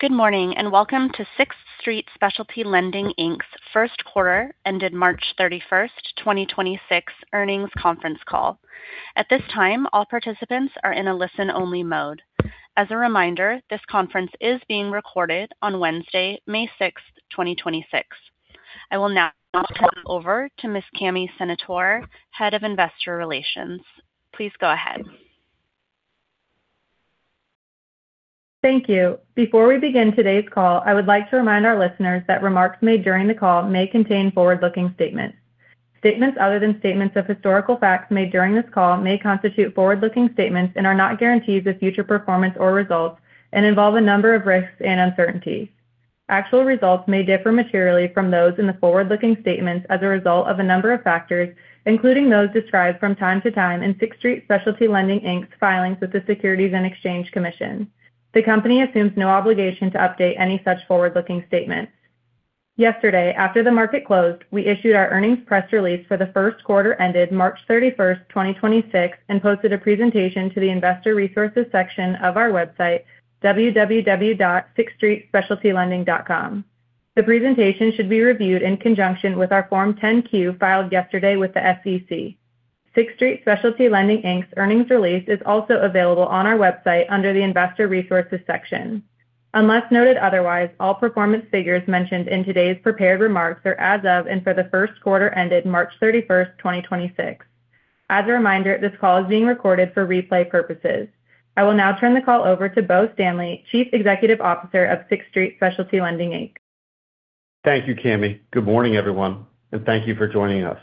Good morning, and welcome to Sixth Street Specialty Lending, Inc.'s first quarter ended March 31, 2026 earnings conference call. At this time, all participants are in a listen-only mode. As a reminder, this conference is being recorded on Wednesday, May 6, 2026. I will now turn it over to Ms. Cami Senatore, Head of Investor Relations. Please go ahead. Thank you. Before we begin today's call, I would like to remind our listeners that remarks made during the call may contain forward-looking statements. Statements other than statements of historical facts made during this call may constitute forward-looking statements and are not guarantees of future performance or results, and involve a number of risks and uncertainties. Actual results may differ materially from those in the forward-looking statements as a result of a number of factors, including those described from time to time in Sixth Street Specialty Lending, Inc.'s filings with the Securities and Exchange Commission. The company assumes no obligation to update any such forward-looking statements. Yesterday, after the market closed, we issued our earnings press release for the first quarter ended March 31, 2026, and posted a presentation to the investor resources section of our website, www.sixthstreetspecialtylending.com. The presentation should be reviewed in conjunction with our Form 10-Q filed yesterday with the SEC. Sixth Street Specialty Lending, Inc.'s earnings release is also available on our website under the Investor Resources section. Unless noted otherwise, all performance figures mentioned in today's prepared remarks are as of and for the first quarter ended March 31st, 2026. As a reminder, this call is being recorded for replay purposes. I will now turn the call over to Bo Stanley, Chief Executive Officer of Sixth Street Specialty Lending, Inc. Thank you, Cami. Good morning, everyone, and thank you for joining us.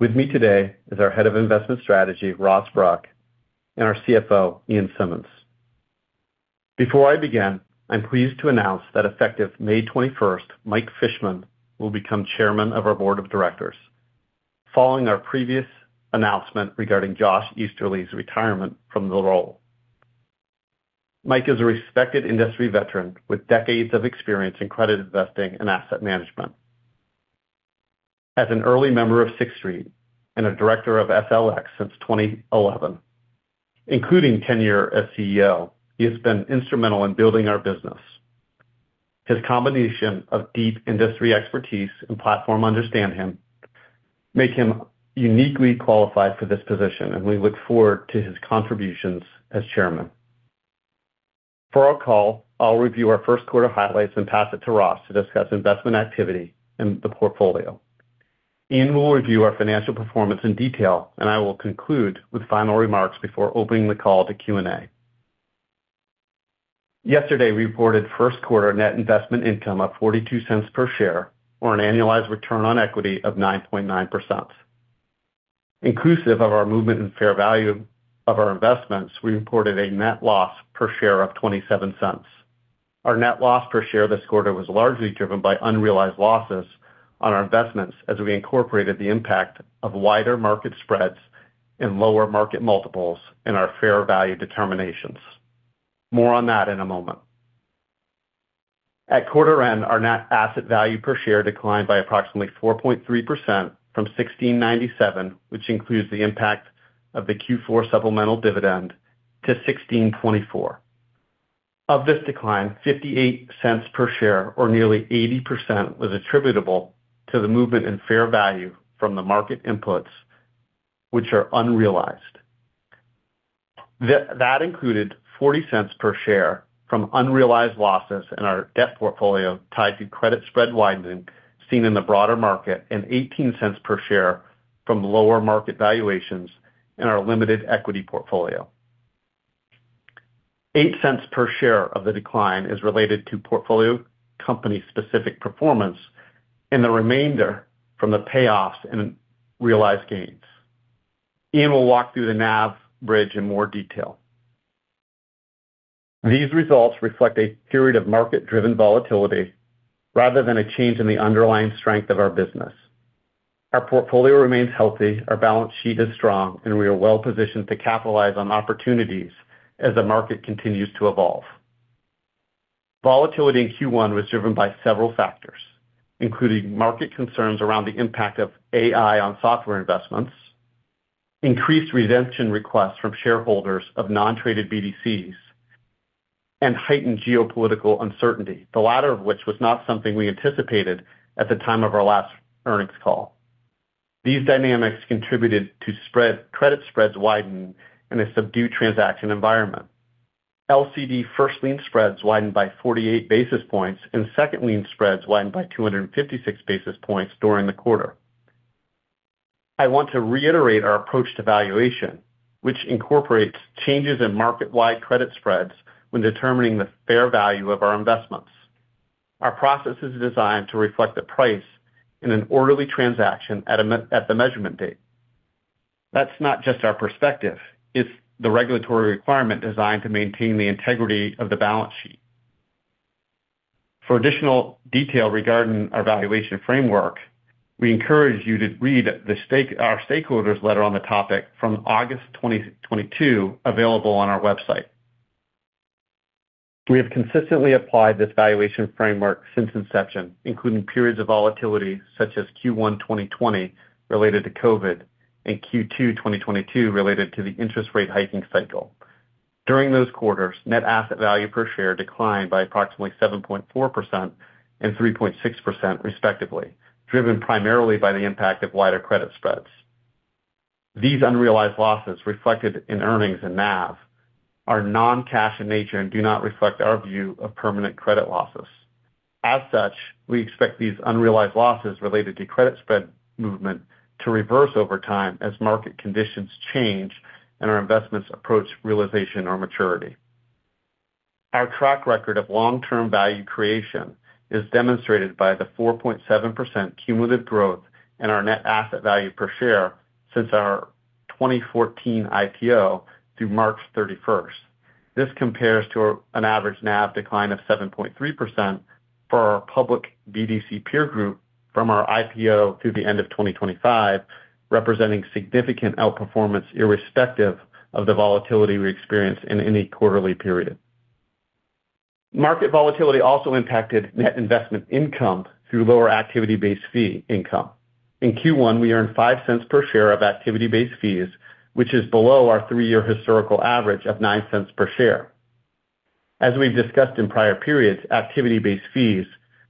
With me today is our Head of Investment Strategy, Ross Bruck, and our CFO, Ian Simmonds. Before I begin, I'm pleased to announce that effective May twenty-first, Mike Fishman will become Chairman of our Board of Directors, following our previous announcement regarding Joshua Easterly's retirement from the role. Mike is a respected industry veteran with decades of experience in credit investing and asset management. As an early member of Sixth Street and a director of TSLX since 2011, including tenure as CEO, he has been instrumental in building our business. His combination of deep industry expertise and platform understand him, make him uniquely qualified for this position, and we look forward to his contributions as chairman. For our call, I'll review our first quarter highlights and pass it to Ross to discuss investment activity in the portfolio. Ian will review our financial performance in detail, and I will conclude with final remarks before opening the call to Q&A. Yesterday, we reported first-quarter net investment income of $0.42 per share or an annualized return on equity of 9.9%. Inclusive of our movement in fair value of our investments, we reported a net loss per share of $0.27. Our net loss per share this quarter was largely driven by unrealized losses on our investments as we incorporated the impact of wider market spreads and lower market multiples in our fair value determinations. More on that in a moment. At quarter end, our net asset value per share declined by approximately 4.3% from $16.97, which includes the impact of the Q4 supplemental dividend to $16.24. Of this decline, $0.58 per share or nearly 80% was attributable to the movement in fair value from the market inputs, which are unrealized. That included $0.40 per share from unrealized losses in our debt portfolio tied to credit spread widening seen in the broader market and $0.18 per share from lower market valuations in our limited equity portfolio. $0.08 per share of the decline is related to portfolio company-specific performance and the remainder from the payoffs and realized gains. Ian will walk through the NAV bridge in more detail. These results reflect a period of market-driven volatility rather than a change in the underlying strength of our business. Our portfolio remains healthy, our balance sheet is strong, and we are well positioned to capitalize on opportunities as the market continues to evolve. Volatility in Q1 was driven by several factors, including market concerns around the impact of AI on software investments, increased redemption requests from shareholders of non-traded BDCs, and heightened geopolitical uncertainty, the latter of which was not something we anticipated at the time of our last earnings call. These dynamics contributed to credit spreads widening in a subdued transaction environment. LCD First Lien spreads widened by 48 basis points and second lien spreads widened by 256 basis points during the quarter. I want to reiterate our approach to valuation, which incorporates changes in market-wide credit spreads when determining the fair value of our investments. Our process is designed to reflect the price in an orderly transaction at the measurement date. That's not just our perspective. It's the regulatory requirement designed to maintain the integrity of the balance sheet. For additional detail regarding our valuation framework, we encourage you to read our stakeholders letter on the topic from August 2022, available on our website. We have consistently applied this valuation framework since inception, including periods of volatility such as Q1 2020 related to COVID. In Q2 2022 related to the interest rate hiking cycle. During those quarters, net asset value per share declined by approximately 7.4% and 3.6% respectively, driven primarily by the impact of wider credit spreads. These unrealized losses reflected in earnings and NAV are non-cash in nature and do not reflect our view of permanent credit losses. As such, we expect these unrealized losses related to credit spread movement to reverse over time as market conditions change and our investments approach realization or maturity. Our track record of long-term value creation is demonstrated by the 4.7% cumulative growth in our net asset value per share since our 2014 IPO through March 31st. This compares to an average NAV decline of 7.3% for our public BDC peer group from our IPO through the end of 2025, representing significant outperformance irrespective of the volatility we experience in any quarterly period. Market volatility also impacted net investment income through lower activity-based fee income. In Q1, we earned $0.05 per share of activity-based fees, which is below our three-year historical average of $0.09 per share. As we've discussed in prior periods, activity-based fees,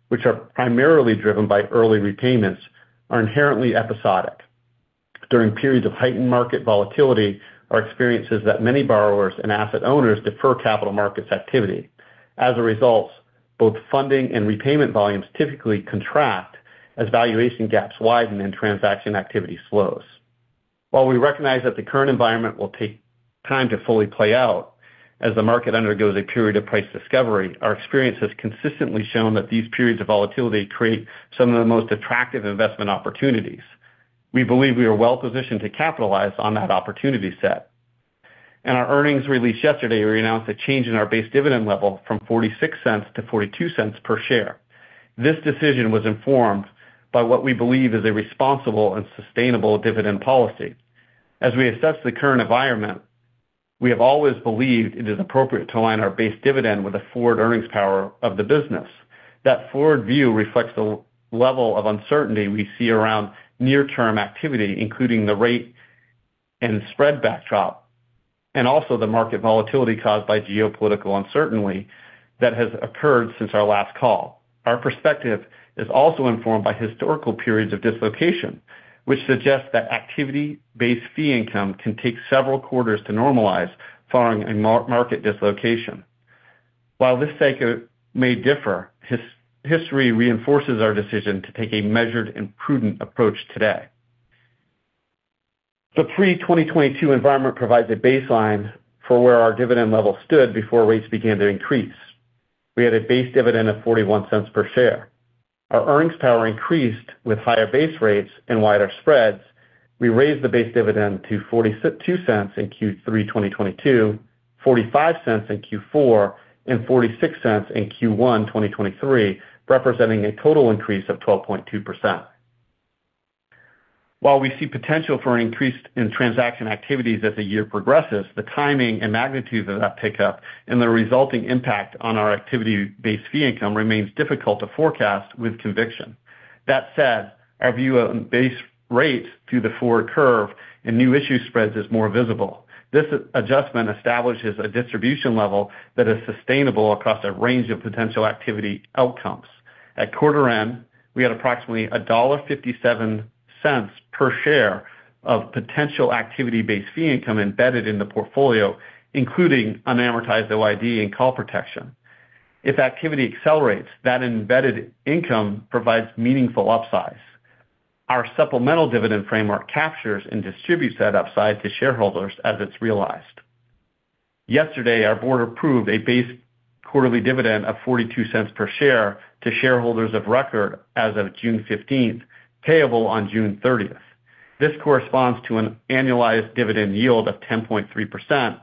which are primarily driven by early repayments, are inherently episodic. During periods of heightened market volatility, our experience is that many borrowers and asset owners defer capital markets activity. As a result, both funding and repayment volumes typically contract as valuation gaps widen and transaction activity slows. While we recognize that the current environment will take time to fully play out as the market undergoes a period of price discovery, our experience has consistently shown that these periods of volatility create some of the most attractive investment opportunities. We believe we are well-positioned to capitalize on that opportunity set. In our earnings release yesterday, we announced a change in our base dividend level from $0.46 to $0.42 per share. This decision was informed by what we believe is a responsible and sustainable dividend policy. As we assess the current environment, we have always believed it is appropriate to align our base dividend with the forward earnings power of the business. That forward view reflects the level of uncertainty we see around near-term activity, including the rate and spread backdrop, and also the market volatility caused by geopolitical uncertainty that has occurred since our last call. Our perspective is also informed by historical periods of dislocation, which suggests that activity-based fee income can take several quarters to normalize following a market dislocation. While this cycle may differ, history reinforces our decision to take a measured and prudent approach today. The pre-2022 environment provides a baseline for where our dividend level stood before rates began to increase. We had a base dividend of $0.41 per share. Our earnings power increased with higher base rates and wider spreads. We raised the base dividend to $0.42 in Q3 2022, $0.45 in Q4, and $0.46 in Q1 2023, representing a total increase of 12.2%. While we see potential for an increase in transaction activities as the year progresses, the timing and magnitude of that pickup and the resulting impact on our activity-based fee income remains difficult to forecast with conviction. This adjustment establishes a distribution level that is sustainable across a range of potential activity outcomes. At quarter end, we had approximately $1.57 per share of potential activity-based fee income embedded in the portfolio, including unamortized OID and call protection. If activity accelerates, that embedded income provides meaningful upsize. Our supplemental dividend framework captures and distributes that upside to shareholders as it's realized. Yesterday, our board approved a base quarterly dividend of $0.42 per share to shareholders of record as of June 15th, payable on June 30th. This corresponds to an annualized dividend yield of 10.3%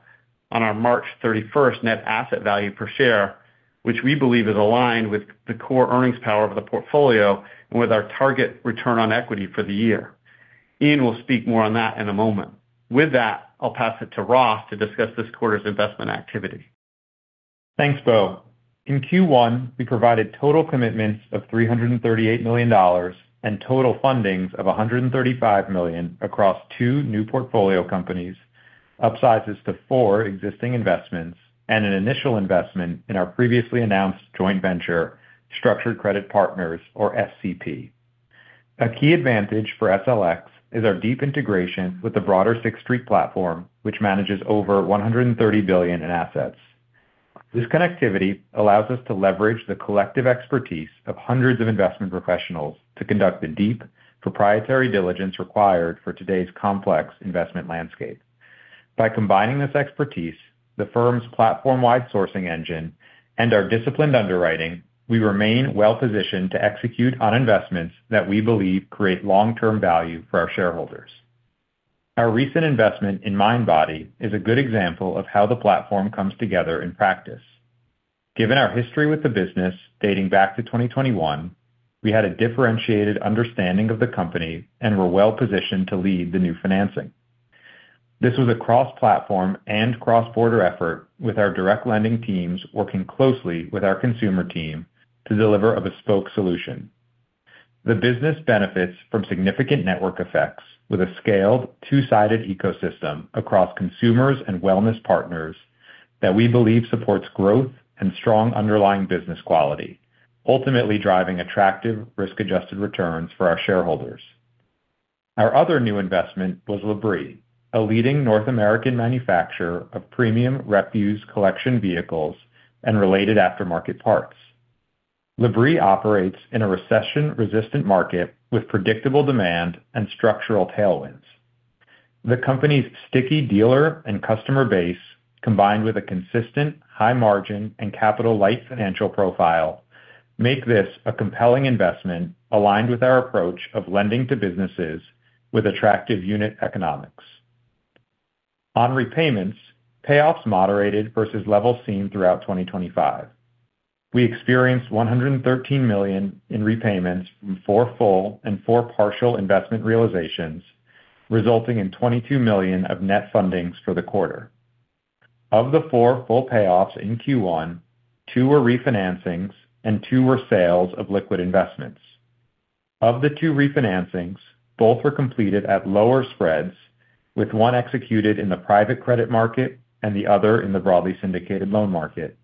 on our March 31st NAV per share, which we believe is aligned with the core earnings power of the portfolio and with our target ROE for the year. Ian will speak more on that in a moment. With that, I'll pass it to Ross to discuss this quarter's investment activity. Thanks, Bo. In Q1, we provided total commitments of $338 million and total fundings of $135 million across two new portfolio companies, upsizes to four existing investments, and an initial investment in our previously announced joint venture, Structured Credit Partners, or SCP. A key advantage for TSLX is our deep integration with the broader Sixth Street platform, which manages over $130 billion in assets. This connectivity allows us to leverage the collective expertise of hundreds of investment professionals to conduct the deep proprietary diligence required for today's complex investment landscape. By combining this expertise, the firm's platform-wide sourcing engine, and our disciplined underwriting, we remain well-positioned to execute on investments that we believe create long-term value for our shareholders. Our recent investment in Mindbody is a good example of how the platform comes together in practice. Given our history with the business dating back to 2021, we had a differentiated understanding of the company and were well-positioned to lead the new financing. This was a cross-platform and cross-border effort with our direct lending teams working closely with our consumer team to deliver a bespoke solution. The business benefits from significant network effects with a scaled two-sided ecosystem across consumers and wellness partners that we believe supports growth and strong underlying business quality, ultimately driving attractive risk-adjusted returns for our shareholders. Our other new investment was Labrie, a leading North American manufacturer of premium refuse collection vehicles and related aftermarket parts. Labrie operates in a recession-resistant market with predictable demand and structural tailwinds. The company's sticky dealer and customer base, combined with a consistent high margin and capital-light financial profile, make this a compelling investment aligned with our approach of lending to businesses with attractive unit economics. On repayments, payoffs moderated versus levels seen throughout 2025. We experienced $113 million in repayments from four full and four partial investment realizations, resulting in $22 million of net fundings for the quarter. Of the four full payoffs in Q1, two were refinancings, and two were sales of liquid investments. Of the two refinancings, both were completed at lower spreads, with one executed in the private credit market and the other in the broadly syndicated loan market.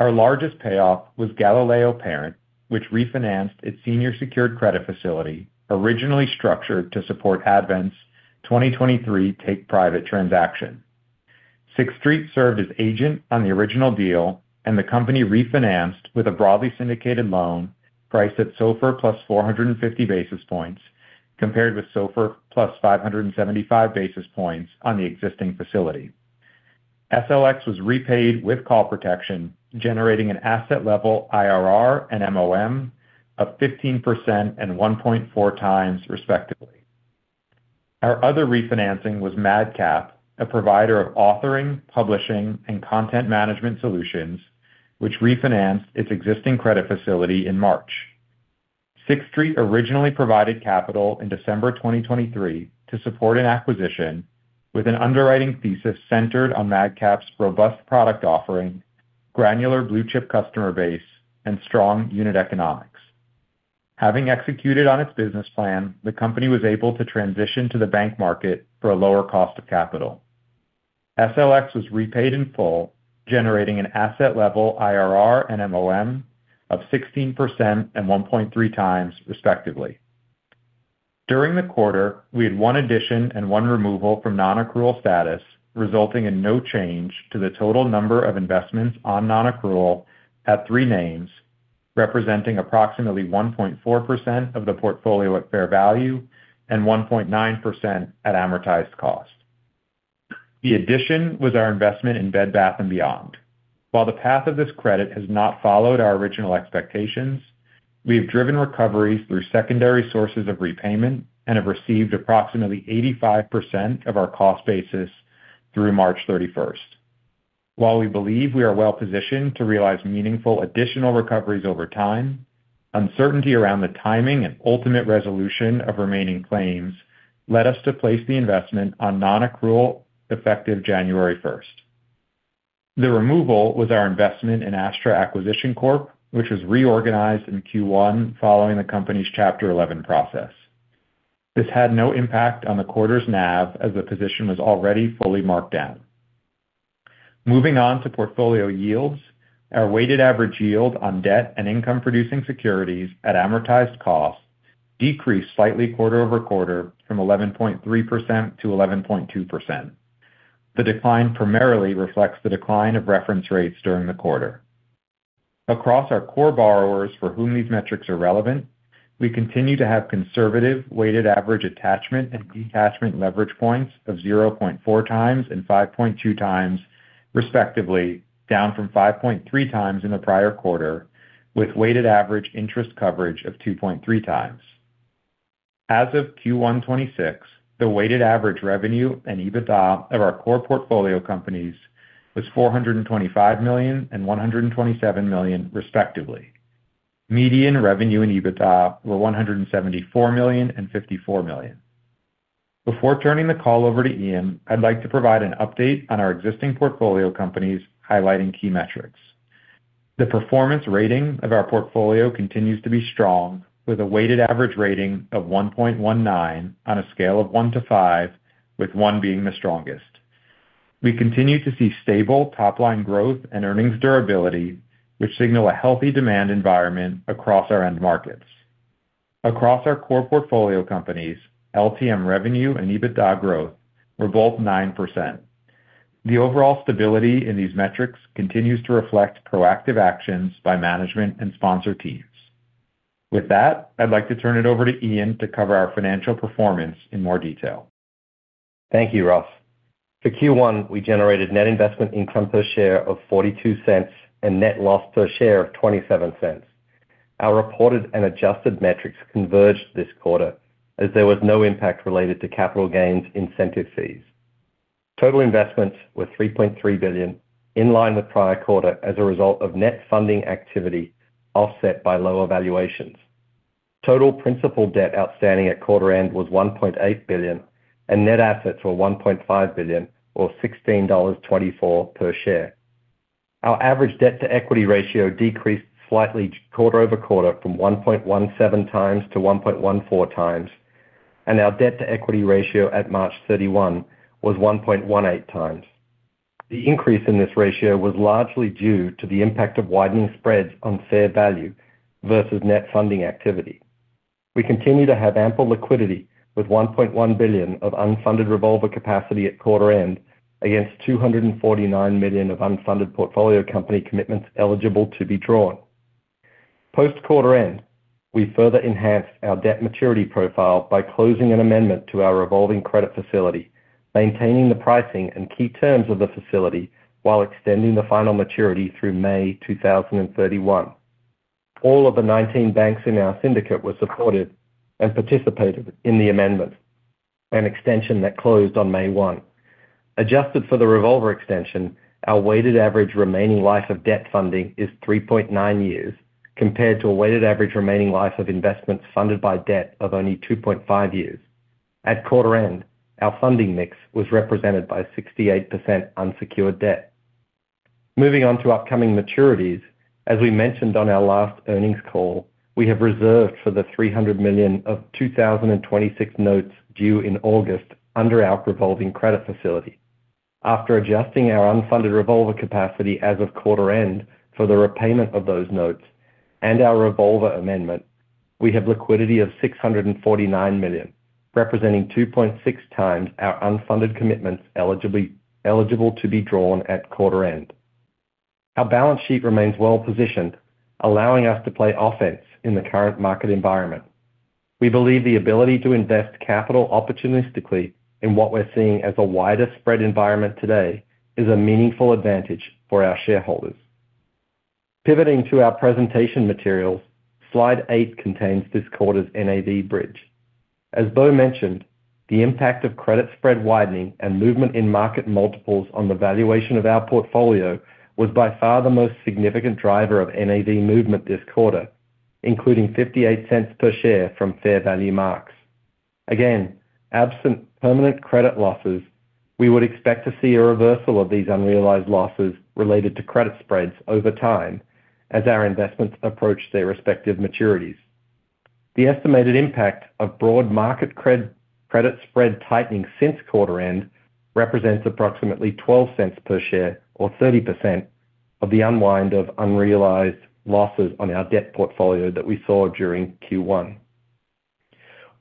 Our largest payoff was Galileo Parent, which refinanced its senior secured credit facility, originally structured to support Advent's 2023 take-private transaction. Sixth Street served as agent on the original deal, and the company refinanced with a broadly syndicated loan priced at SOFR+ 450 basis points, compared with SOFR+ 575 basis points on the existing facility. TSLX was repaid with call protection, generating an asset-level IRR and MoM of 15% and 1.4x, respectively. Our other refinancing was MadCap, a provider of authoring, publishing, and content management solutions, which refinanced its existing credit facility in March. Sixth Street originally provided capital in December 2023 to support an acquisition with an underwriting thesis centered on MadCap's robust product offering, granular blue-chip customer base, and strong unit economics. Having executed on its business plan, the company was able to transition to the bank market for a lower cost of capital. TSLX was repaid in full, generating an asset-level IRR and MoM of 16% and 1.3x, respectively. During the quarter, we had one addition and one removal from non-accrual status, resulting in no change to the total number of investments on non-accrual at three names, representing approximately 1.4% of the portfolio at fair value and 1.9% at amortized cost. The addition was our investment in Bed Bath & Beyond. While the path of this credit has not followed our original expectations, we have driven recoveries through secondary sources of repayment and have received approximately 85% of our cost basis through March 31st. While we believe we are well positioned to realize meaningful additional recoveries over time, uncertainty around the timing and ultimate resolution of remaining claims led us to place the investment on non-accrual effective January 1st. The removal was our investment in Astra Acquisition Corp., which was reorganized in Q1 following the company's Chapter 11 process. This had no impact on the quarter's NAV, as the position was already fully marked down. Moving on to portfolio yields. Our weighted average yield on debt and income-producing securities at amortized cost decreased slightly quarter-over-quarter from 11.3% to 11.2%. The decline primarily reflects the decline of reference rates during the quarter. Across our core borrowers for whom these metrics are relevant, we continue to have conservative weighted average attachment and detachment leverage points of 0.4x and 5.2x respectively, down from 5.3x in the prior quarter, with weighted average interest coverage of 2.3x. As of Q1 2026, the weighted average revenue and EBITDA of our core portfolio companies was $425 million and $127 million respectively. Median revenue and EBITDA were $174 million and $54 million. Before turning the call over to Ian, I'd like to provide an update on our existing portfolio companies, highlighting key metrics. The performance rating of our portfolio continues to be strong, with a weighted average rating of 1.19 on a scale of one to five, with one being the strongest. We continue to see stable top-line growth and earnings durability, which signal a healthy demand environment across our end markets. Across our core portfolio companies, LTM revenue and EBITDA growth were both 9%. The overall stability in these metrics continues to reflect proactive actions by management and sponsor teams. With that, I'd like to turn it over to Ian to cover our financial performance in more detail. Thank you, Ross. For Q1, we generated net investment income per share of $0.42 and net loss per share of $0.27. Our reported and adjusted metrics converged this quarter as there was no impact related to capital gains incentive fees. Total investments were $3.3 billion, in line with prior quarter as a result of net funding activity offset by lower valuations. Total principal debt outstanding at quarter end was $1.8 billion, and net assets were $1.5 billion, or $16.24 per share. Our average debt-to-equity ratio decreased slightly quarter-over-quarter from 1.17x to 1.14x, and our debt-to-equity ratio at March 31 was 1.18x. The increase in this ratio was largely due to the impact of widening spreads on fair value versus net funding activity. We continue to have ample liquidity with $1.1 billion of unfunded revolver capacity at quarter-end against $249 million of unfunded portfolio company commitments eligible to be drawn. Post-quarter-end, we further enhanced our debt maturity profile by closing an amendment to our revolving credit facility, maintaining the pricing and key terms of the facility while extending the final maturity through May 2031. All of the 19 banks in our syndicate were supported and participated in the amendment, an extension that closed on May 1. Adjusted for the revolver extension, our weighted average remaining life of debt funding is 3.9 years compared to a weighted average remaining life of investments funded by debt of only 2.5 years. At quarter-end, our funding mix was represented by 68% unsecured debt. Moving on to upcoming maturities, as we mentioned on our last earnings call, we have reserved for the $300 million of 2026 notes due in August under our revolving credit facility. After adjusting our unfunded revolver capacity as of quarter end for the repayment of those notes and our revolver amendment, we have liquidity of $649 million, representing 2.6x our unfunded commitments eligible to be drawn at quarter end. Our balance sheet remains well-positioned, allowing us to play offense in the current market environment. We believe the ability to invest capital opportunistically in what we're seeing as a wider spread environment today is a meaningful advantage for our shareholders. Pivoting to our presentation materials, slide eight contains this quarter's NAV bridge. As Bo mentioned, the impact of credit spread widening and movement in market multiples on the valuation of our portfolio was by far the most significant driver of NAV movement this quarter, including $0.58 per share from fair value marks. Again, absent permanent credit losses, we would expect to see a reversal of these unrealized losses related to credit spreads over time as our investments approach their respective maturities. The estimated impact of broad market credit spread tightening since quarter end represents approximately $0.12 per share or 30% of the unwind of unrealized losses on our debt portfolio that we saw during Q1.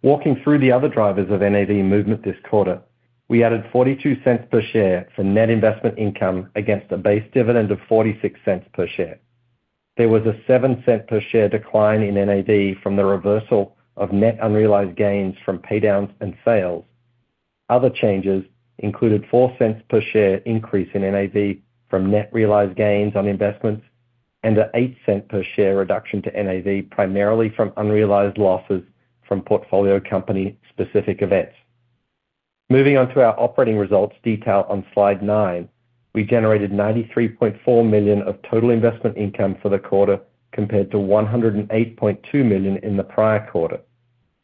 Walking through the other drivers of NAV movement this quarter, we added $0.42 per share for net investment income against a base dividend of $0.46 per share. There was a $0.07 per share decline in NAV from the reversal of net unrealized gains from pay downs and sales. Other changes included $0.04 per share increase in NAV from net realized gains on investments and an $0.08 per share reduction to NAV, primarily from unrealized losses from portfolio company specific events. Moving on to our operating results detailed on slide nine. We generated $93.4 million of total investment income for the quarter compared to $108.2 million in the prior quarter.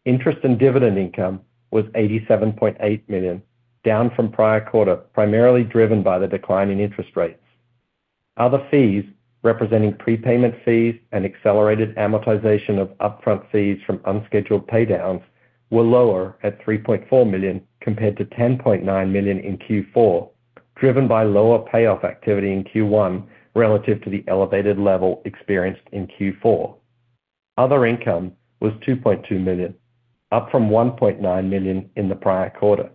Interest and dividend income was $87.8 million, down from prior quarter, primarily driven by the decline in interest rates. Other fees, representing prepayment fees and accelerated amortization of upfront fees from unscheduled pay downs, were lower at $3.4 million compared to $10.9 million in Q4, driven by lower payoff activity in Q1 relative to the elevated level experienced in Q4. Other income was $2.2 million, up from $1.9 million in the prior quarter.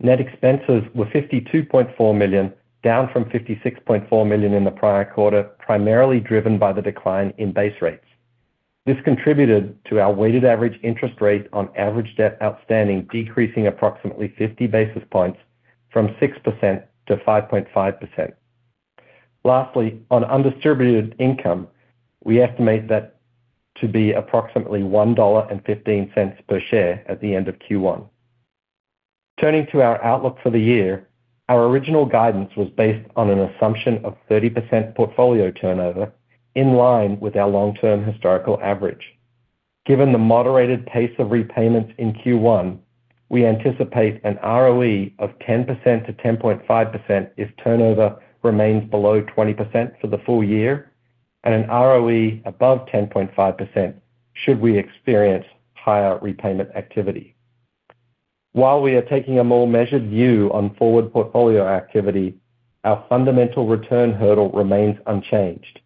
Net expenses were $52.4 million, down from $56.4 million in the prior quarter, primarily driven by the decline in base rates. This contributed to our weighted average interest rate on average debt outstanding decreasing approximately 50 basis points from 6% to 5.5%. Lastly, on undistributed income, we estimate that to be approximately $1.15 per share at the end of Q1. Turning to our outlook for the year. Our original guidance was based on an assumption of 30% portfolio turnover in line with our long-term historical average. Given the moderated pace of repayments in Q1, we anticipate an ROE of 10%-10.5% if turnover remains below 20% for the full year, and an ROE above 10.5% should we experience higher repayment activity. While we are taking a more measured view on forward portfolio activity, our fundamental return hurdle remains unchanged.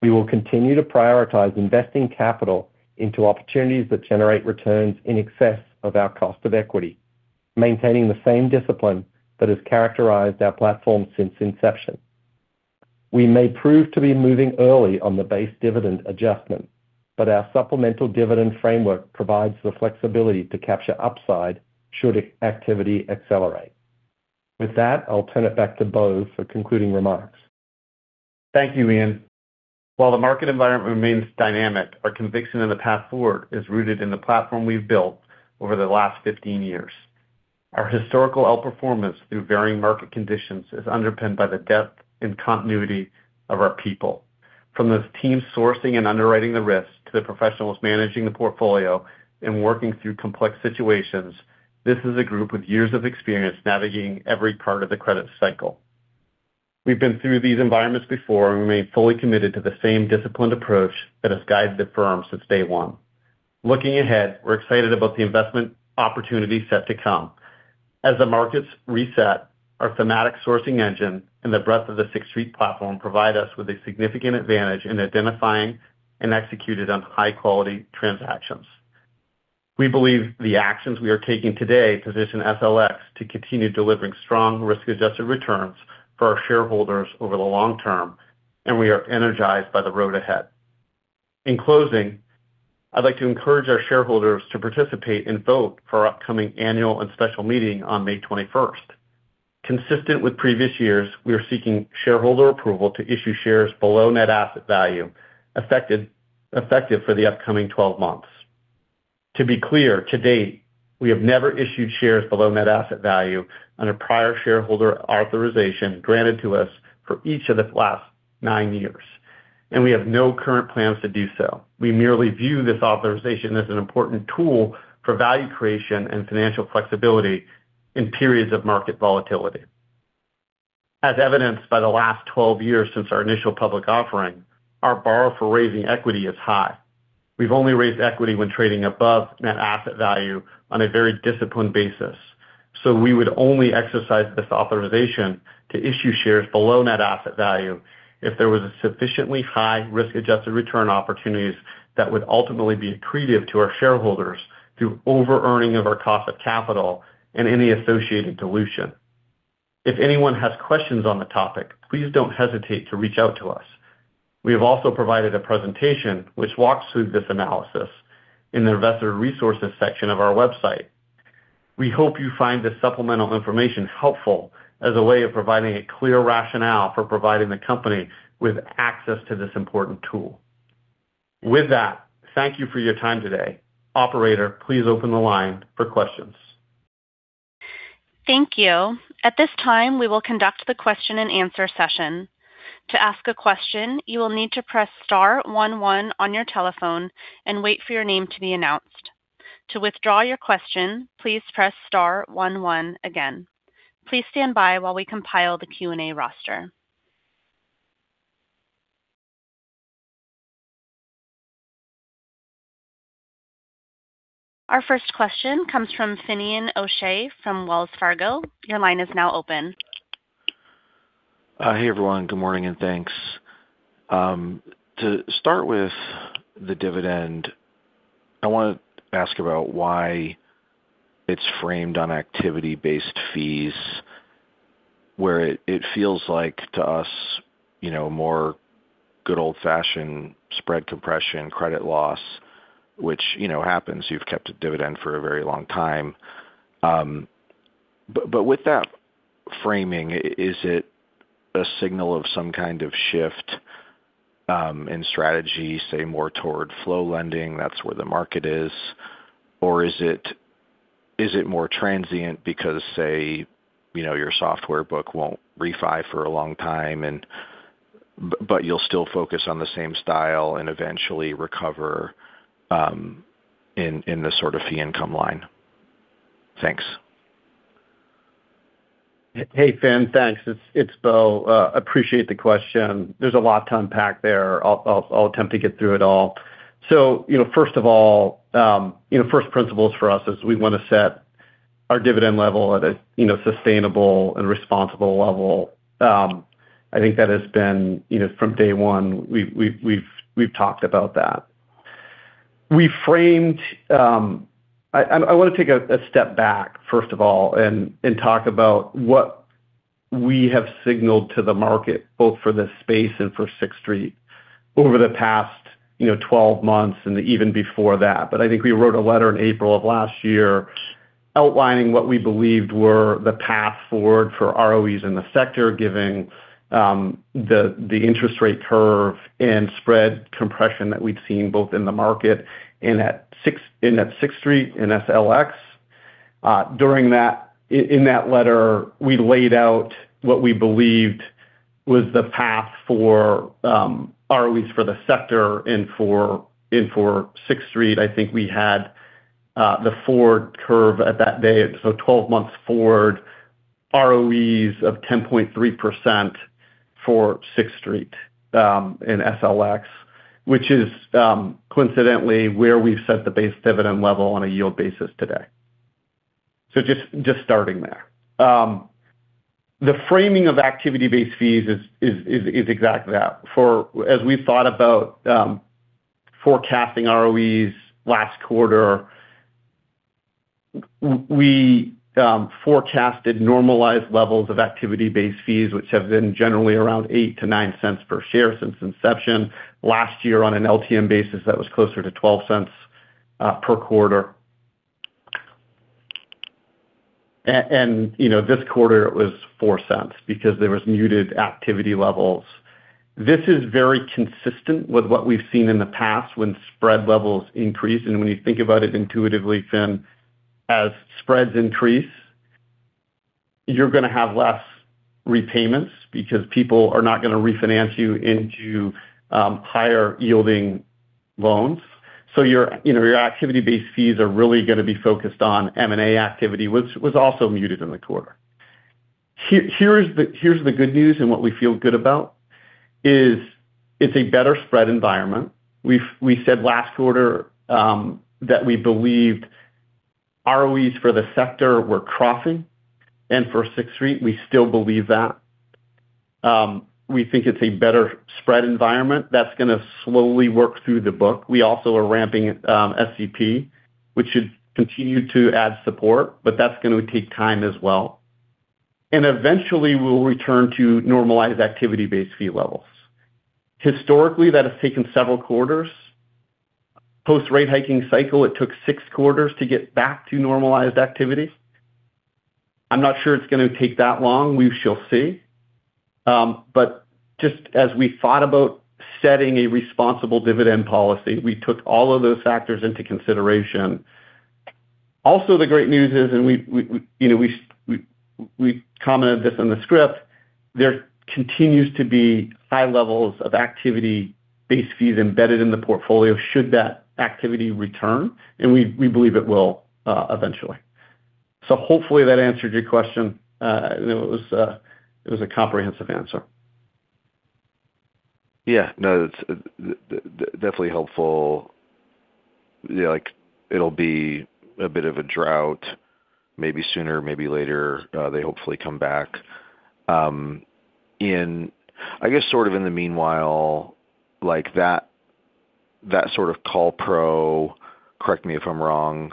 We will continue to prioritize investing capital into opportunities that generate returns in excess of our cost of equity, maintaining the same discipline that has characterized our platform since inception. We may prove to be moving early on the base dividend adjustment, but our supplemental dividend framework provides the flexibility to capture upside should activity accelerate. With that, I'll turn it back to Bo for concluding remarks. Thank you, Ian. While the market environment remains dynamic, our conviction in the path forward is rooted in the platform we've built over the last 15 years. Our historical outperformance through varying market conditions is underpinned by the depth and continuity of our people. From the team sourcing and underwriting the risk to the professionals managing the portfolio and working through complex situations, this is a group with years of experience navigating every part of the credit cycle. We've been through these environments before, and we remain fully committed to the same disciplined approach that has guided the firm since day one. Looking ahead, we're excited about the investment opportunities set to come. As the markets reset, our thematic sourcing engine and the breadth of the Sixth Street platform provide us with a significant advantage in identifying and executed on high-quality transactions. We believe the actions we are taking today position TSLX to continue delivering strong risk-adjusted returns for our shareholders over the long term, and we are energized by the road ahead. In closing, I'd like to encourage our shareholders to participate and vote for our upcoming annual and special meeting on May 21st. Consistent with previous years, we are seeking shareholder approval to issue shares below net asset value, effective for the upcoming 12 months. To be clear, to date, we have never issued shares below net asset value on a prior shareholder authorization granted to us for each of the last nine years, and we have no current plans to do so. We merely view this authorization as an important tool for value creation and financial flexibility in periods of market volatility. As evidenced by the last 12 years since our initial public offering, our borrow for raising equity is high. We've only raised equity when trading above net asset value on a very disciplined basis. We would only exercise this authorization to issue shares below net asset value if there was a sufficiently high risk-adjusted return opportunities that would ultimately be accretive to our shareholders through over-earning of our cost of capital and any associated dilution. If anyone has questions on the topic, please don't hesitate to reach out to us. We have also provided a presentation which walks through this analysis in the investor resources section of our website. We hope you find this supplemental information helpful as a way of providing a clear rationale for providing the company with access to this important tool. With that, thank you for your time today. Operator, please open the line for questions. Thank you. At this time, we will conduct the question-and-answer session. To ask a question, you will need to press star one one on your telephone and wait for your name to be announced. To withdraw your question, please press star one one again. Please stand by while we compile the Q&A roster. Our first question comes from Finian O'Shea from Wells Fargo. Your line is now open. Hey, everyone. Good morning, and thanks. To start with the dividend, I want to ask about why it's framed on activity-based fees, where it feels like to us, you know, more good old-fashioned spread compression credit loss, which, you know, happens. You've kept a dividend for a very long time. With that framing, is it a signal of some kind of shift in strategy, say more toward flow lending, that's where the market is? Is it more transient because, say, you know, your software book won't refi for a long time and you'll still focus on the same style and eventually recover in the sort of fee income line? Thanks. Hey, Fin. Thanks. It's Bo. Appreciate the question. There's a lot to unpack there. I'll attempt to get through it all. First of all, you know, first principles for us is we want to set our dividend level at a, you know, sustainable and responsible level. I think that has been, you know, from day one, we've talked about that. We framed, I want to take a step back, first of all, and talk about what we have signaled to the market, both for this space and for Sixth Street over the past, you know, 12 months and even before that. I think we wrote a letter in April of last year outlining what we believed were the path forward for ROEs in the sector, giving the interest rate curve and spread compression that we'd seen both in the market and at Sixth Street and TSLX. In that letter, we laid out what we believed was the path for ROEs for the sector and for Sixth Street. I think we had the forward curve at that day, so 12 months forward ROEs of 10.3% for Sixth Street in TSLX, which is coincidentally where we've set the base dividend level on a yield basis today. Just starting there. The framing of activity-based fees is exactly that. For as we thought about forecasting ROEs last quarter, we forecasted normalized levels of activity-based fees, which have been generally around $0.08-$0.09 per share since inception. Last year on an LTM basis, that was closer to $0.12 per quarter. You know, this quarter it was $0.04 because there was muted activity levels. This is very consistent with what we've seen in the past when spread levels increase. When you think about it intuitively, Fin, as spreads increase, you're gonna have less repayments because people are not gonna refinance you into higher-yielding loans. Your, you know, your activity-based fees are really gonna be focused on M&A activity, which was also muted in the quarter. Here is the good news and what we feel good about, is it's a better spread environment. We said last quarter that we believed ROEs for the sector were crossing and for Sixth Street, we still believe that. We think it's a better spread environment that's gonna slowly work through the book. We also are ramping SCP, which should continue to add support, but that's gonna take time as well. Eventually, we'll return to normalized activity-based fee levels. Historically, that has taken several quarters. Post rate hiking cycle, it took six quarters to get back to normalized activity. I'm not sure it's gonna take that long. We shall see. Just as we thought about setting a responsible dividend policy, we took all of those factors into consideration. Also, the great news is, you know, we commented this in the script, there continues to be high levels of activity-based fees embedded in the portfolio should that activity return, and we believe it will eventually. Hopefully that answered your question. I know it was a comprehensive answer. No, that's definitely helpful. Like it'll be a bit of a drought, maybe sooner, maybe later, they hopefully come back. I guess sort of in the meanwhile, like that sort of call pro, correct me if I'm wrong,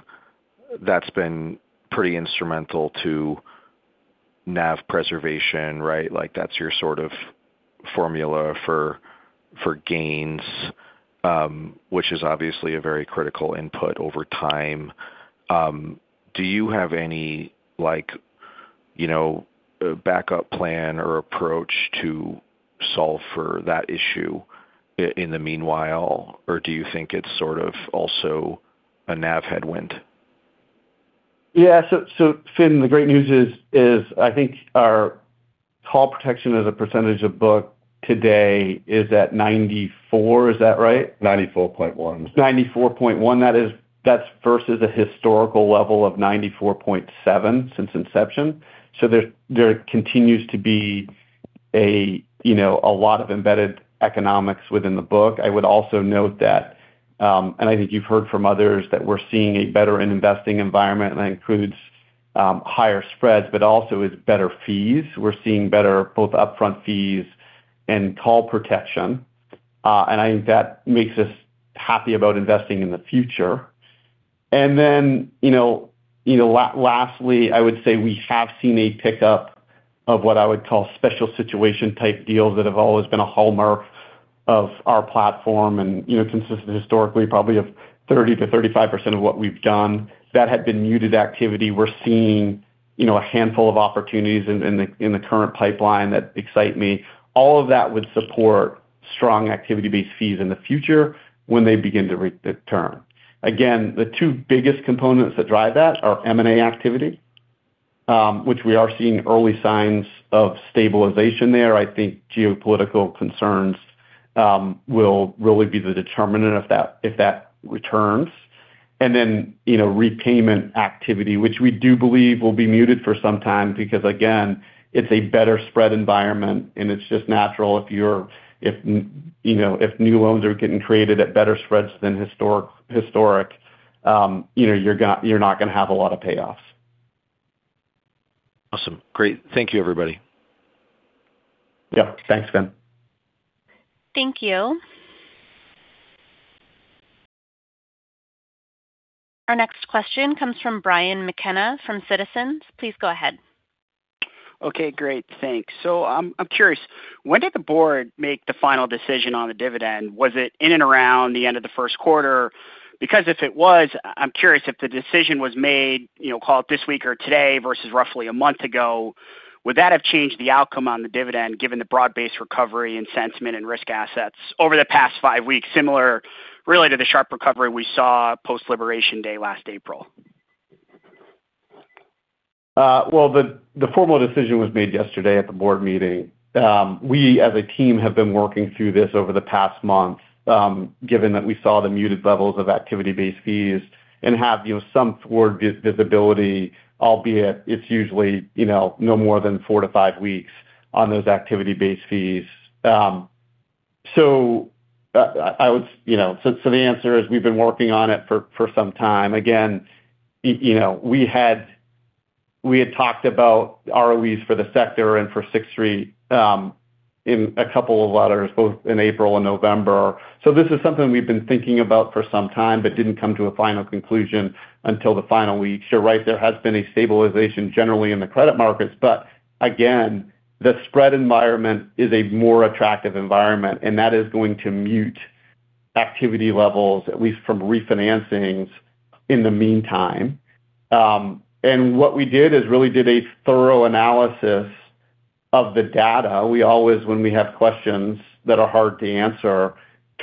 that's been pretty instrumental to NAV preservation, right? That's your sort of formula for gains, which is obviously a very critical input over time. Do you have any like, you know, a backup plan or approach to solve for that issue in the meanwhile? Do you think it's sort of also a NAV headwind? Yeah. Fin, the great news is, I think our call protection as a percentage of book today is at 94%. Is that right? 94.1%. 94.1%. That's versus a historical level of 94.7% since inception. There, there continues to be a, you know, a lot of embedded economics within the book. I would also note that, and I think you've heard from others that we're seeing a better investing environment, and that includes higher spreads, but also is better fees. We're seeing better both upfront fees and call protection. I think that makes us happy about investing in the future. You know, lastly, I would say we have seen a pickup of what I would call special situation type deals that have always been a hallmark of our platform and, you know, consistent historically, probably of 30%-35% of what we've done. That had been muted activity. We're seeing, you know, a handful of opportunities in the current pipeline that excite me. All of that would support strong activity-based fees in the future when they begin to return. Again, the two biggest components that drive that are M&A activity, which we are seeing early signs of stabilization there. I think geopolitical concerns will really be the determinant if that returns. You know, repayment activity, which we do believe will be muted for some time because again, it's a better spread environment, and it's just natural if, you know, if new loans are getting created at better spreads than historic, you're not gonna have a lot of payoffs. Awesome. Great. Thank you, everybody. Yep. Thanks, Fin. Thank you. Our next question comes from Brian McKenna from Citizens. Please go ahead. I'm curious, when did the board make the final decision on the dividend? Was it in and around the end of the first quarter? If it was, I'm curious if the decision was made, you know, call it this week or today versus roughly a month ago, would that have changed the outcome on the dividend given the broad-based recovery and sentiment and risk assets over the past five weeks, similar really to the sharp recovery we saw post-Liberation Day last April? Well, the formal decision was made yesterday at the board meeting. We as a team have been working through this over the past month, given that we saw the muted levels of activity-based fees and have, you know, some forward visibility, albeit it's usually, you know, no more than four to five weeks on those activity-based fees. You know, so the answer is we've been working on it for some time. Again, you know, we had talked about ROEs for the sector and for Sixth Street, in two letters, both in April and November. This is something we've been thinking about for some time, but didn't come to a final conclusion until the final week. You're right, there has been a stabilization generally in the credit markets. Again, the spread environment is a more attractive environment. That is going to mute activity levels, at least from refinancings in the meantime. What we did is really did a thorough analysis of the data. We always, when we have questions that are hard to answer,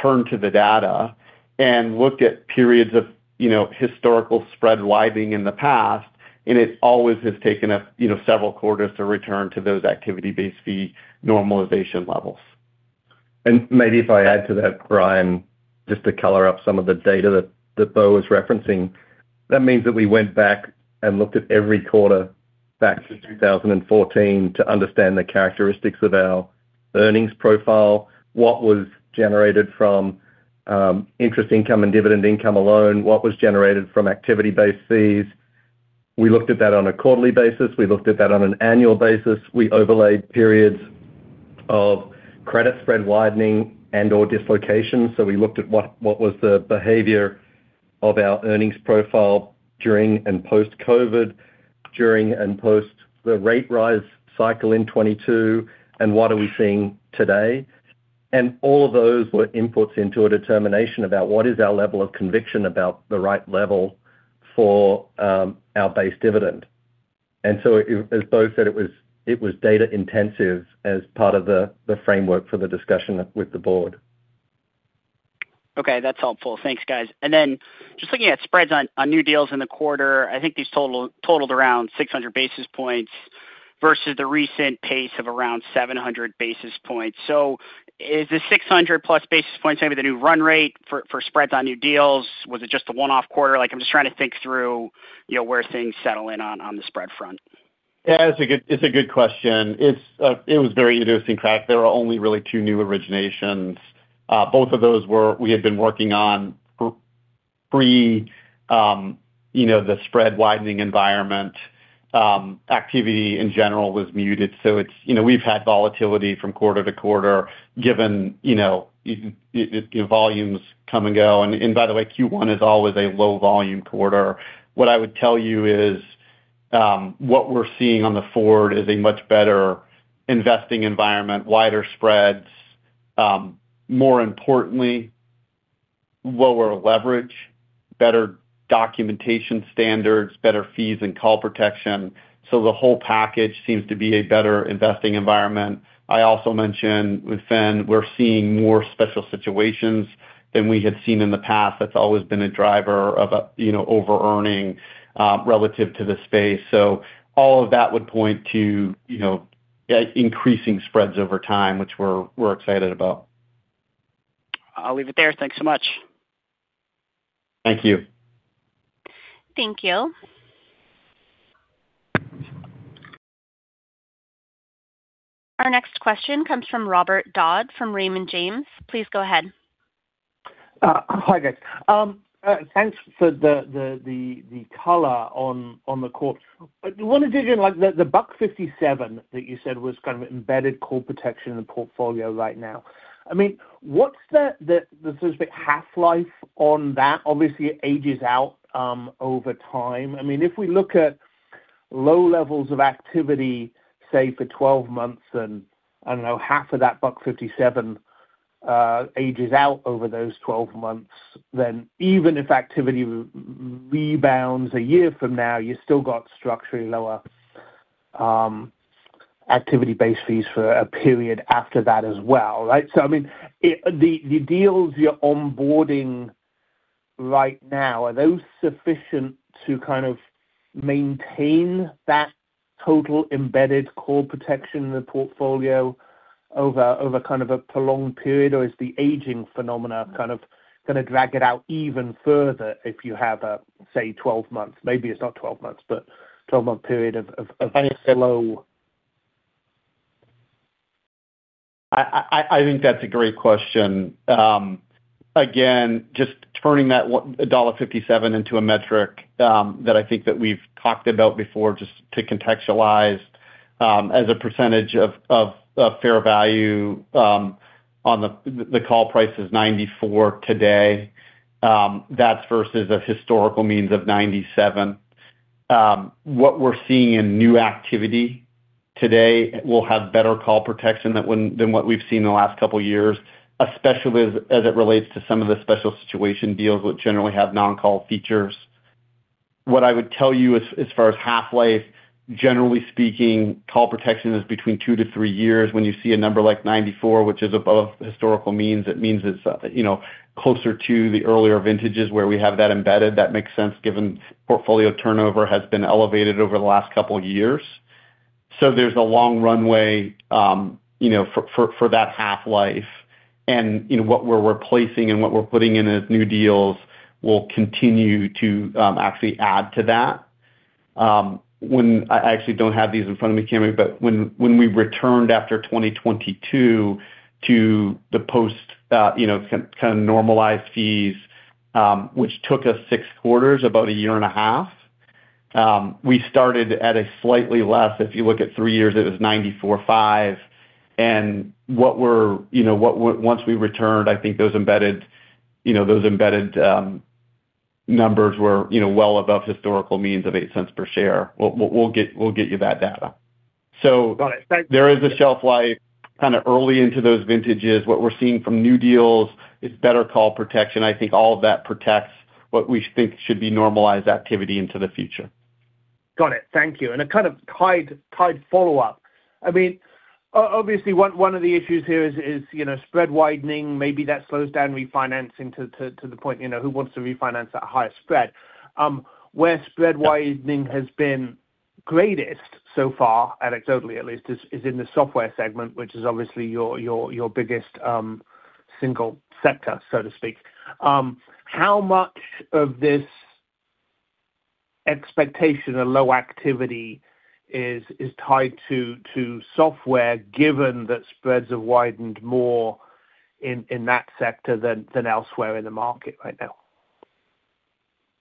turn to the data and looked at periods of, you know, historical spread widening in the past. It always has taken us, you know, several quarters to return to those activity-based fee normalization levels. Maybe if I add to that, Brian, just to color up some of the data that Bo is referencing. That means that we went back and looked at every quarter back to 2014 to understand the characteristics of our earnings profile, what was generated from interest income and dividend income alone, what was generated from activity-based fees. We looked at that on a quarterly basis. We looked at that on an annual basis. We overlaid periods of credit spread widening and/or dislocation. We looked at what was the behavior of our earnings profile during and post-COVID, during and post the rate rise cycle in 2022, and what are we seeing today. All of those were inputs into a determination about what is our level of conviction about the right level for our base dividend. As Bo said, it was data intensive as part of the framework for the discussion with the Board. Okay. That's helpful. Thanks, guys. Just looking at spreads on new deals in the quarter, I think these totaled around 600 basis points versus the recent pace of around 700 basis points. Is the 600 plus basis points maybe the new run rate for spreads on new deals? Was it just a one-off quarter? Like, I'm just trying to think through, you know, where things settle in on the spread front. It's a good, it's a good question. It's, it was very interesting. In fact, there were only really two new originations. Both of those we had been working on pre, you know, the spread widening environment. Activity in general was muted. It's, you know, we've had volatility from quarter to quarter given, you know, volumes come and go. By the way, Q1 is always a low volume quarter. What I would tell you is, what we're seeing on the forward is a much better investing environment, wider spreads, more importantly, lower leverage, better documentation standards, better fees and call protection. The whole package seems to be a better investing environment. I also mentioned with Fin, we're seeing more special situations than we had seen in the past. That's always been a driver of a, you know, overearning, relative to the space. All of that would point to, you know, increasing spreads over time, which we're excited about. I'll leave it there. Thanks so much. Thank you. Thank you. Our next question comes from Robert Dodd from Raymond James. Please go ahead. Hi, guys. Thanks for the color on the call. I wanted to hear, like, the $1.57 that you said was kind of embedded call protection in the portfolio right now. I mean, what's the specific half-life on that? Obviously, it ages out over time. I mean, if we look at low levels of activity, say, for 12 months, and I don't know, half of that $1.57 ages out over those 12 months, then even if activity rebounds one year from now, you still got structurally lower activity-based fees for a period after that as well, right? I mean, the deals you're onboarding right now, are those sufficient to kind of maintain that total embedded call protection in the portfolio over kind of a prolonged period, or is the aging phenomena kind of gonna drag it out even further if you have a, say, 12 months, maybe it's not 12 months, but 12-month period of fairly low- I think that's a great question. Again, just turning that $1.57 into a metric, that I think that we've talked about before, just to contextualize, as a percentage of fair value, on the call price is 94 today. That's versus a historical means of 97. What we're seeing in new activity today will have better call protection than what we've seen in the last couple of years, especially as it relates to some of the special situation deals which generally have non-call features. What I would tell you as far as half-life, generally speaking, call protection is between two years to three years. When you see a number like 94, which is above historical means, it means it's, you know, closer to the earlier vintages where we have that embedded. That makes sense given portfolio turnover has been elevated over the last couple of years. There's a long runway, you know, for that half-life. You know, what we're replacing and what we're putting in as new deals will continue to actually add to that. When I actually don't have these in front of me, Cami, but when we returned after 2022 to the post, you know, kind of normalized fees, which took us six quarters, about 1.5 years, we started at a slightly less. If you look at three years, it was $0.945. What we're, you know, once we returned, I think those embedded, you know, those embedded numbers were, you know, well above historical means of $0.08 per share. We'll get you that data. Got it. Thank you. there is a shelf life kinda early into those vintages. What we're seeing from new deals is better call protection. I think all of that protects what we think should be normalized activity into the future. Got it. Thank you. A kind of tied follow-up. I mean, obviously, one of the issues here is, you know, spread widening, maybe that slows down refinancing to the point, you know, who wants to refinance at a higher spread? Where spread widening has been greatest so far, anecdotally at least, is in the software segment, which is obviously your biggest single sector, so to speak. How much of this expectation of low activity is tied to software, given that spreads have widened more in that sector than elsewhere in the market right now?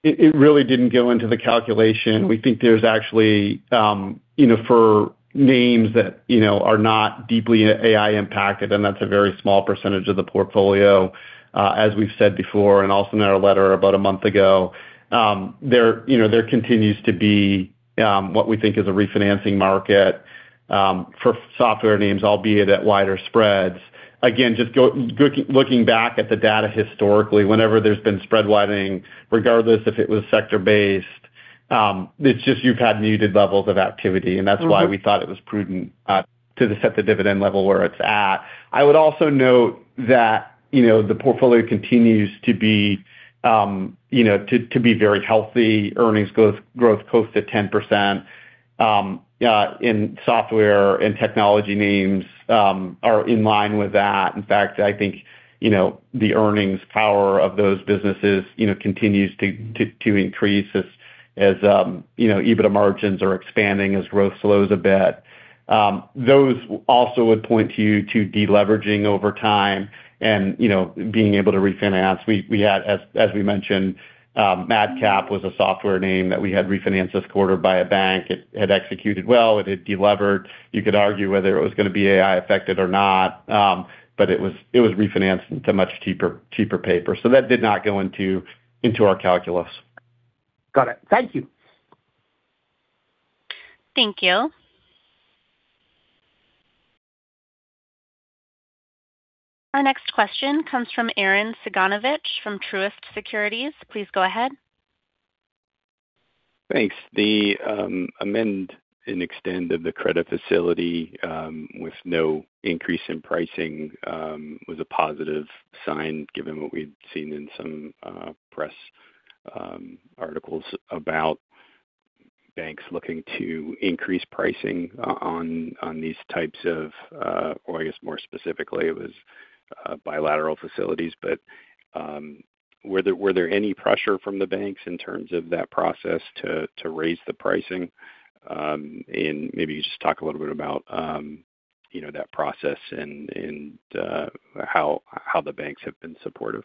It really didn't go into the calculation. We think there's actually, you know, for names that, you know, are not deeply AI impacted, and that's a very small percentage of the portfolio, as we've said before, and also in our letter about a month ago, there, you know, there continues to be what we think is a refinancing market for software names, albeit at wider spreads. Just looking back at the data historically, whenever there's been spread widening, regardless if it was sector-based, it's just you've had muted levels of activity, and that's why we thought it was prudent to set the dividend level where it's at. I would also note that, you know, the portfolio continues to be, you know, to be very healthy. Earnings growth close to 10%, in software and technology names, are in line with that. In fact, I think, you know, the earnings power of those businesses, you know, continues to increase as, you know, EBITDA margins are expanding as growth slows a bit. Those also would point to you to deleveraging over time and, you know, being able to refinance. We had as we mentioned, MadCap was a software name that we had refinanced this quarter by a bank. It had executed well, it had delevered. You could argue whether it was gonna be AI affected or not, but it was refinanced into much cheaper paper. That did not go into our calculus. Got it. Thank you. Thank you. Our next question comes from Arren Cyganovich from Truist Securities. Please go ahead. Thanks. The amend and extend of the credit facility, with no increase in pricing, was a positive sign, given what we'd seen in some press articles about banks looking to increase pricing on these types of, or I guess more specifically, it was bilateral facilities. Were there any pressure from the banks in terms of that process to raise the pricing? Maybe just talk a little bit about, you know, that process and how the banks have been supportive.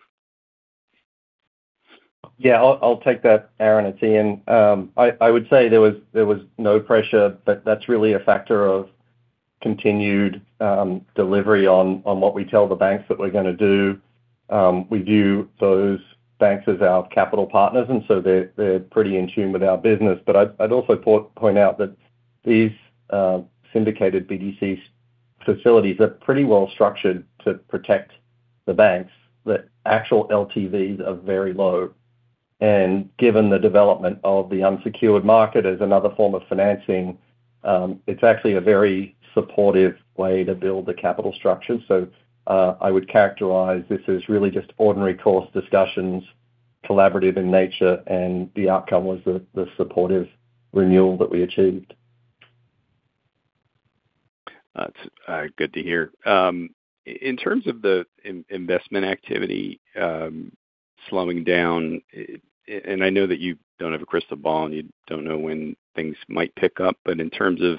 Yeah. I'll take that, Arren. It's Ian. I would say there was no pressure, but that's really a factor of continued delivery on what we tell the banks that we're going to do. We view those banks as our capital partners, they're pretty in tune with our business. I'd also point out that these syndicated BDCs facilities are pretty well structured to protect the banks, that actual LTVs are very low. Given the development of the unsecured market as one other form of financing, it's actually a very supportive way to build the capital structure. I would characterize this as really just ordinary course discussions, collaborative in nature, and the outcome was the supportive renewal that we achieved. That's good to hear. In terms of the investment activity slowing down, and I know that you don't have a crystal ball and you don't know when things might pick up, but in terms of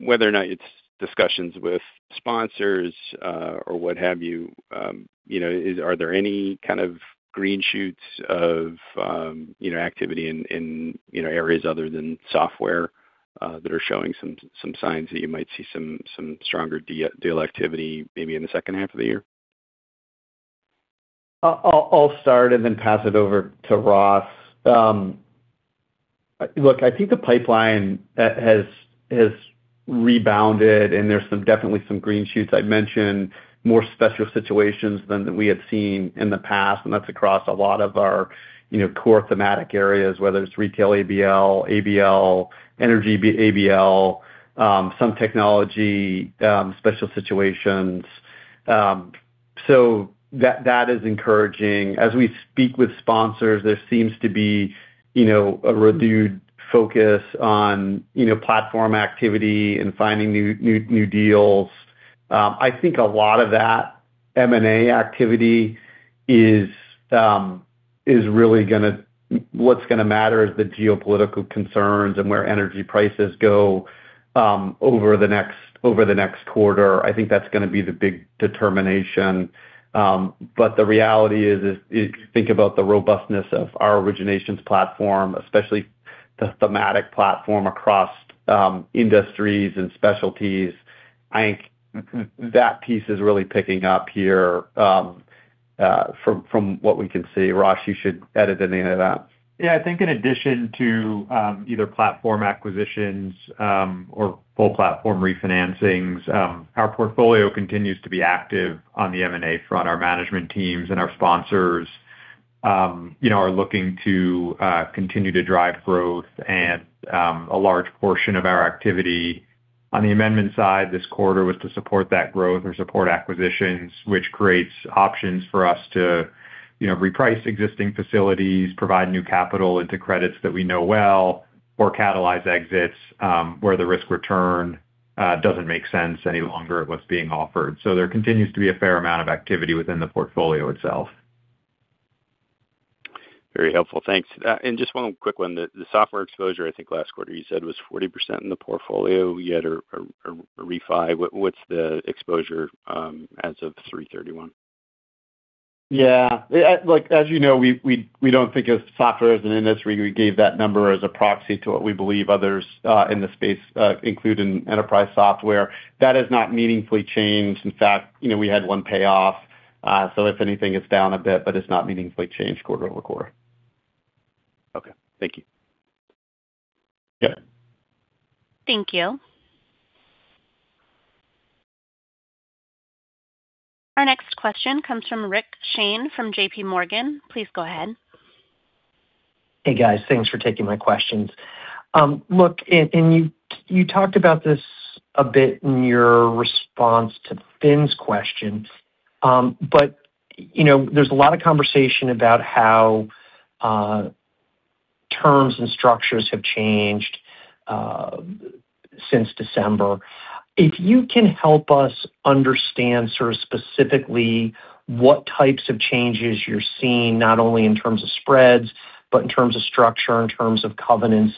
whether or not it's discussions with sponsors, or what have you know, are there any kind of green shoots of, you know, activity in, you know, areas other than software that are showing some signs that you might see some stronger deal activity maybe in the second half of the year? I'll start and then pass it over to Ross. Look, I think the pipeline has rebounded, and there's definitely some green shoots. I'd mention more special situations than we had seen in the past, and that's across a lot of our, you know, core thematic areas, whether it's retail ABL, energy ABL, some technology special situations. That is encouraging. As we speak with sponsors, there seems to be, you know, a renewed focus on, you know, platform activity and finding new deals. I think a lot of that M&A activity is What's gonna matter is the geopolitical concerns and where energy prices go over the next quarter. I think that's gonna be the big determination. The reality is if you think about the robustness of our originations platform, especially the thematic platform across industries and specialties. I think that piece is really picking up here from what we can see. Ross, you should add at the end of that. Yeah. I think in addition to, either platform acquisitions, or full platform refinancings, our portfolio continues to be active on the M&A front. Our management teams and our sponsors, you know, are looking to, continue to drive growth. A large portion of our activity on the amendment side this quarter was to support that growth or support acquisitions, which creates options for us to, you know, reprice existing facilities, provide new capital into credits that we know well, or catalyze exits, where the risk return, doesn't make sense any longer at what's being offered. There continues to be a fair amount of activity within the portfolio itself. Very helpful. Thanks. Just one quick one. The software exposure, I think last quarter you said was 40% in the portfolio you had a refi. What's the exposure as of 3/31? Yeah. Like as you know, we don't think of software as an industry. We gave that number as a proxy to what we believe others in the space, including enterprise software. That has not meaningfully changed. In fact, you know, we had one payoff. If anything, it's down a bit, but it's not meaningfully changed quarter-over-quarter. Okay. Thank you. Yeah. Thank you. Our next question comes from Rick Shane from JPMorgan. Please go ahead. Hey, guys. Thanks for taking my questions. Look, you talked about this a bit in your response to Fin's question. You know, there's a lot of conversation about how terms and structures have changed since December. If you can help us understand sort of specifically what types of changes you're seeing, not only in terms of spreads, but in terms of structure, in terms of covenants,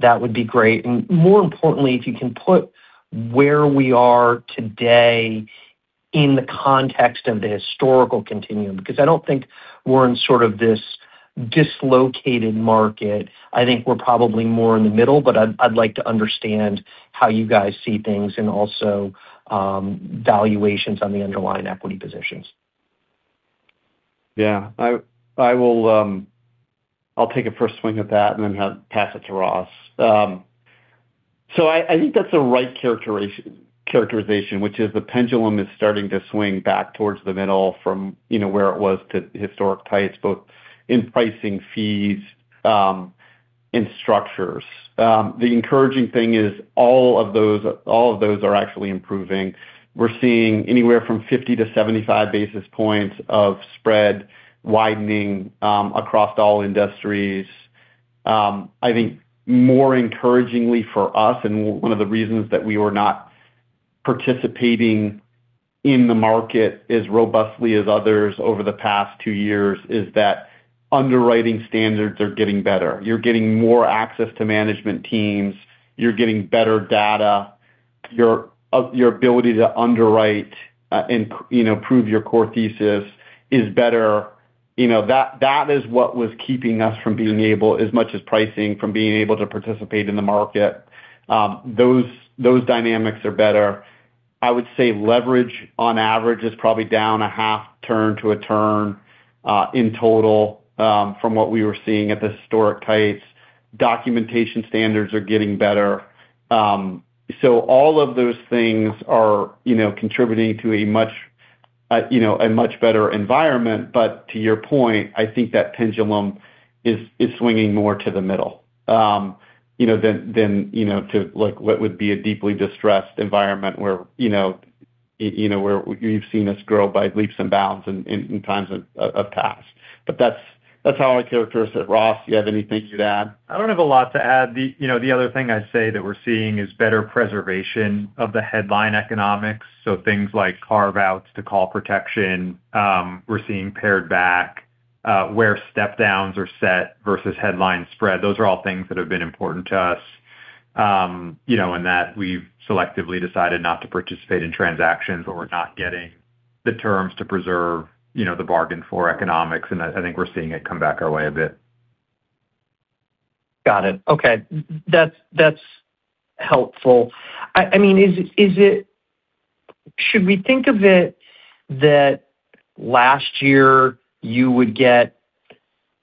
that would be great. More importantly, if you can put where we are today in the context of the historical continuum, because I don't think we're in sort of this dislocated market. I think we're probably more in the middle. I'd like to understand how you guys see things and also valuations on the underlying equity positions. Yeah. I will, I'll take a first swing at that and then pass it to Ross. I think that's the right characterization, which is the pendulum is starting to swing back towards the middle from, you know, where it was to historic heights, both in pricing fees, in structures. The encouraging thing is all of those are actually improving. We're seeing anywhere from 50 to 75 basis points of spread widening across all industries. I think more encouragingly for us, and one of the reasons that we were not participating in the market as robustly as others over the past two years, is that underwriting standards are getting better. You're getting more access to management teams. You're getting better data. Your ability to underwrite, and, you know, prove your core thesis is better. You know, that is what was keeping us from being able, as much as pricing, from being able to participate in the market. Those dynamics are better. I would say leverage on average is probably down a half turn to a turn in total from what we were seeing at the historic heights. Documentation standards are getting better. All of those things are, you know, contributing to a much, you know, a much better environment. To your point, I think that pendulum is swinging more to the middle, you know, than, you know, to like what would be a deeply distressed environment where, you know, where you've seen us grow by leaps and bounds in times of past. That's how I characterize it. Ross, you have anything to add? I don't have a lot to add. You know, the other thing I'd say that we're seeing is better preservation of the headline economics. Things like carve-outs to call protection, we're seeing pared back. Where step downs are set versus headline spread. Those are all things that have been important to us, you know, in that we've selectively decided not to participate in transactions where we're not getting the terms to preserve, you know, the bargain for economics. I think we're seeing it come back our way a bit. Got it. Okay. That's helpful. I mean, is it, should we think of it that last year you would get,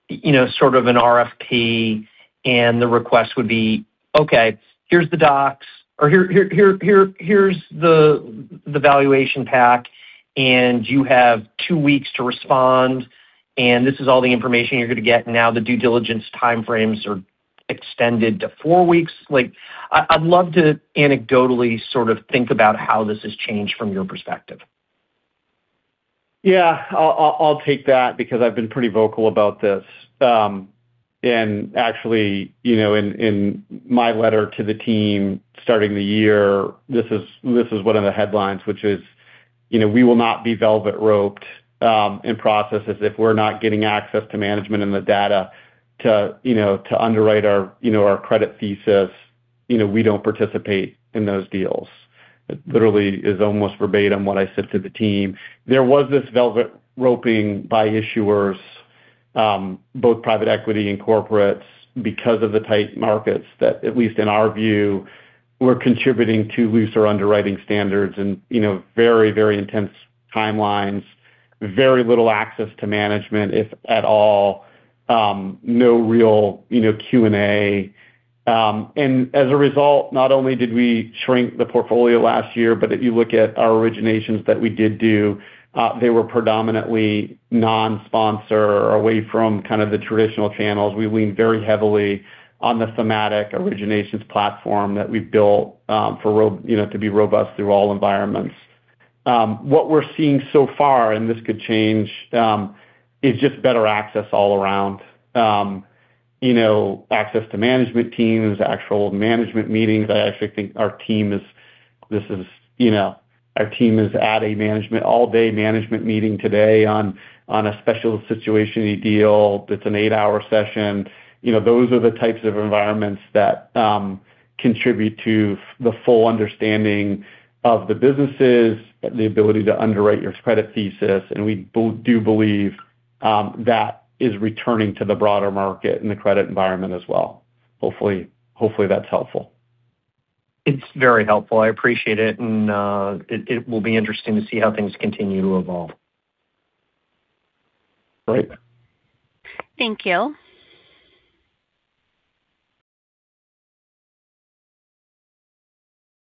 you know, sort of an RFP and the request would be, "Okay, here's the docs," or, "Here's the valuation pack, and you have two weeks to respond, and this is all the information you're gonna get." Now the due diligence timeframes are extended to four weeks. Like, I'd love to anecdotally sort of think about how this has changed from your perspective. Yeah. I'll take that because I've been pretty vocal about this. Actually, you know, in my letter to the team starting the year, this is, this is one of the headlines, which is, you know, we will not be velvet roped in processes if we're not getting access to management and the data to, you know, to underwrite our, you know, our credit thesis. You know, we don't participate in those deals. It literally is almost verbatim what I said to the team. There was this velvet roping by issuers, both private equity and corporates because of the tight markets that at least in our view, were contributing to looser underwriting standards and, you know, very, very intense timelines, very little access to management, if at all. No real, you know, Q&A. As a result, not only did we shrink the portfolio last year, but if you look at our originations that we did do, they were predominantly non-sponsor or away from kind of the traditional channels. We leaned very heavily on the thematic originations platform that we've built, you know, to be robust through all environments. What we're seeing so far, this could change, is just better access all around. You know, access to management teams, actual management meetings. I actually think our team is You know, our team is at an all-day management meeting today on a special situation deal. It's an eight-hour session. You know, those are the types of environments that contribute to the full understanding of the businesses, the ability to underwrite your credit thesis. We do believe that is returning to the broader market and the credit environment as well. Hopefully that's helpful. It's very helpful. I appreciate it. It will be interesting to see how things continue to evolve. Great. Thank you.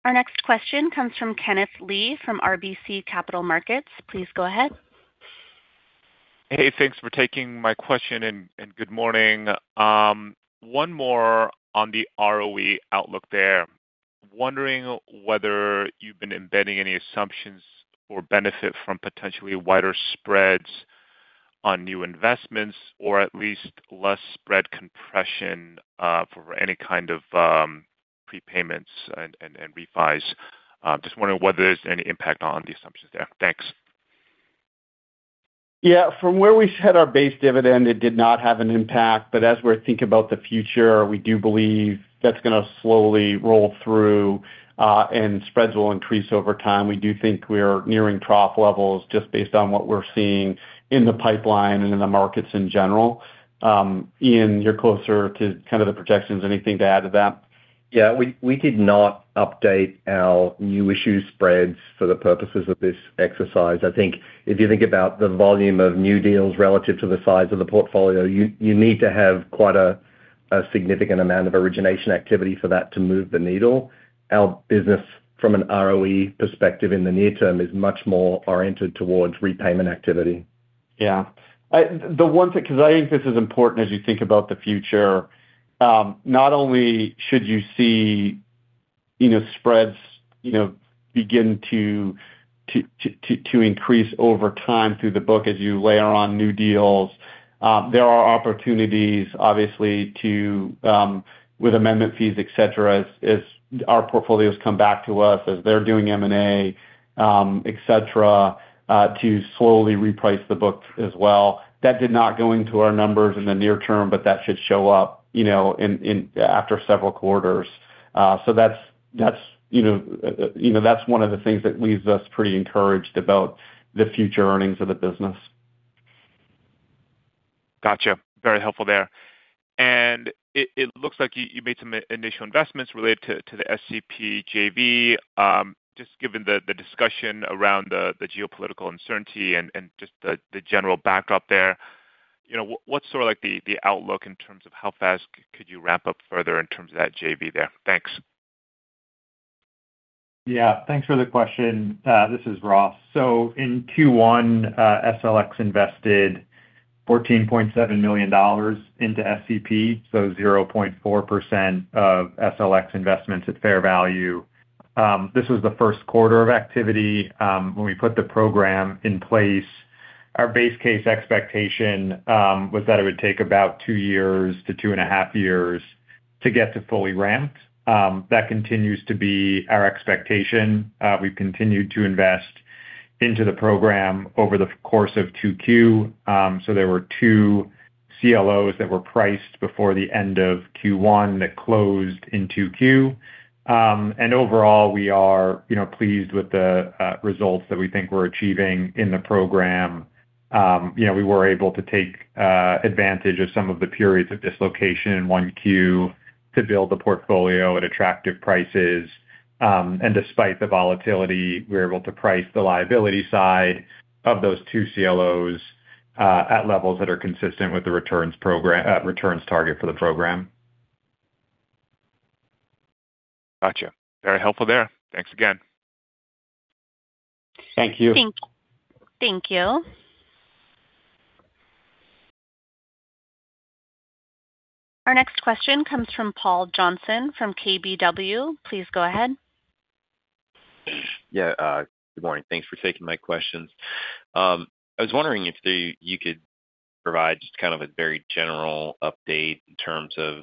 Our next question comes from Kenneth Lee from RBC Capital Markets. Please go ahead. Hey, thanks for taking my question, and good morning. One more on the ROE outlook there. Wondering whether you've been embedding any assumptions or benefit from potentially wider spreads on new investments, or at least less spread compression, for any kind of prepayments and refis. Just wondering whether there's any impact on the assumptions there. Thanks. Yeah. From where we set our base dividend, it did not have an impact, but as we're thinking about the future, we do believe that's gonna slowly roll through, and spreads will increase over time. We do think we're nearing trough levels just based on what we're seeing in the pipeline and in the markets in general. Ian, you're closer to kind of the projections. Anything to add to that? Yeah. We did not update our new issue spreads for the purposes of this exercise. I think if you think about the volume of new deals relative to the size of the portfolio, you need to have quite a significant amount of origination activity for that to move the needle. Our business from an ROE perspective in the near term is much more oriented towards repayment activity. Yeah. The one thing, because I think this is important as you think about the future, not only should you see, you know, spreads, you know, begin to increase over time through the book as you layer on new deals, there are opportunities obviously to with amendment fees, et cetera, as our portfolios come back to us as they're doing M&A, et cetera, to slowly reprice the books as well. That did not go into our numbers in the near term, that should show up, you know, in after several quarters. That's, you know, that's one of the things that leaves us pretty encouraged about the future earnings of the business. Gotcha. Very helpful there. It looks like you made some initial investments related to the SCP JV. Just given the discussion around the geopolitical uncertainty and just the general backup there, you know, what's sort of like the outlook in terms of how fast could you ramp up further in terms of that JV there? Thanks. Yeah. Thanks for the question. This is Ross. In Q1, TSLX invested $14.7 million into SCP, 0.4% of TSLX investments at fair value. This was the first quarter of activity when we put the program in place. Our base case expectation was that it would take about two years to 2.5 years to get to fully-ramped. That continues to be our expectation. We've continued to invest into the program over the course of 2Q. There were two CLOs that were priced before the end of Q1 that closed in 2Q. Overall, we are, you know, pleased with the results that we think we're achieving in the program. You know, we were able to take advantage of some of the periods of dislocation in 1Q to build the portfolio at attractive prices. Despite the volatility, we were able to price the liability side of those two CLOs at levels that are consistent with the returns target for the program. Gotcha. Very helpful there. Thanks again. Thank you. Thank you. Our next question comes from Paul Johnson from KBW. Please go ahead. Good morning. Thanks for taking my questions. I was wondering if you could provide just kind of a very general update in terms of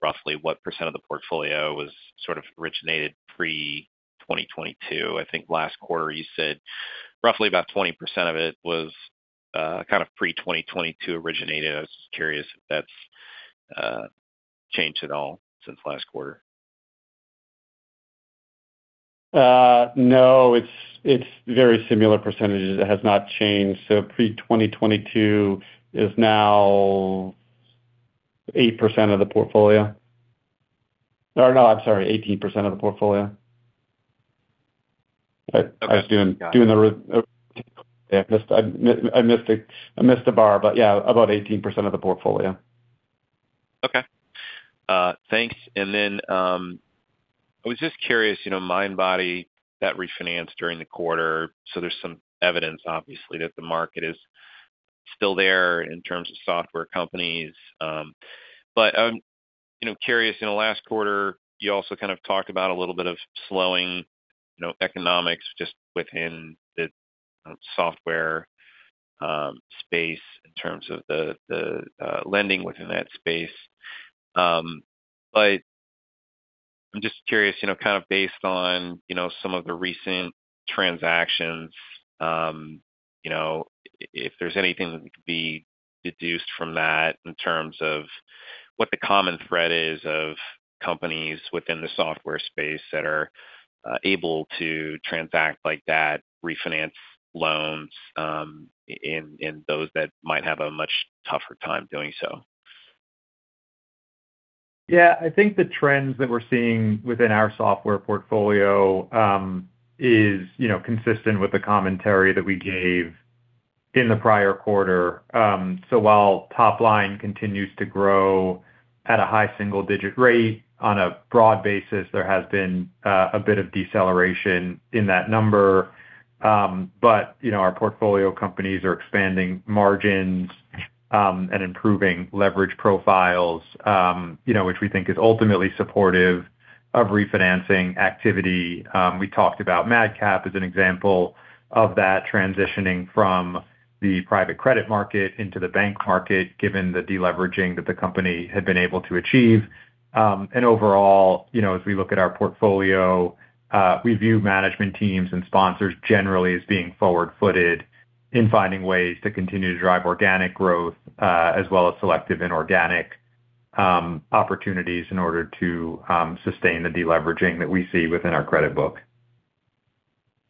roughly what percent of the portfolio was sort of originated pre 2022. I think last quarter you said roughly about 20% of it was, kind of pre 2022 originated. I was just curious if that's changed at all since last quarter? No, it's very similar percentages. It has not changed. Pre 2022 is now 8% of the portfolio. I'm sorry, 18% of the portfolio. Okay. Got it. I was doing the re Yeah, I missed, I missed it. I missed the bar, but yeah, about 18% of the portfolio. Okay. Thanks. Then, I was just curious, you know, Mindbody, that refinance during the quarter. There's some evidence, obviously, that the market is still there in terms of software companies. I'm, you know, curious, you know, last quarter you also kind of talked about a little bit of slowing, you know, economics just within the software space in terms of the lending within that space. I'm just curious, you know, kind of based on, you know, some of the recent transactions, you know, if there's anything that could be deduced from that in terms of what the common thread is of companies within the software space that are able to transact like that, refinance loans, and those that might have a much tougher time doing so. Yeah. I think the trends that we're seeing within our software portfolio is, you know, consistent with the commentary that we gave in the prior quarter. While top line continues to grow at a high single-digit rate on a broad basis, there has been a bit of deceleration in that number. But, you know, our portfolio companies are expanding margins and improving leverage profiles, you know, which we think is ultimately supportive of refinancing activity. We talked about MadCap as an example of that transitioning from the private credit market into the bank market, given the deleveraging that the company had been able to achieve. Overall, you know, as we look at our portfolio, we view management teams and sponsors generally as being forward-footed in finding ways to continue to drive organic growth, as well as selective inorganic opportunities in order to sustain the deleveraging that we see within our credit book.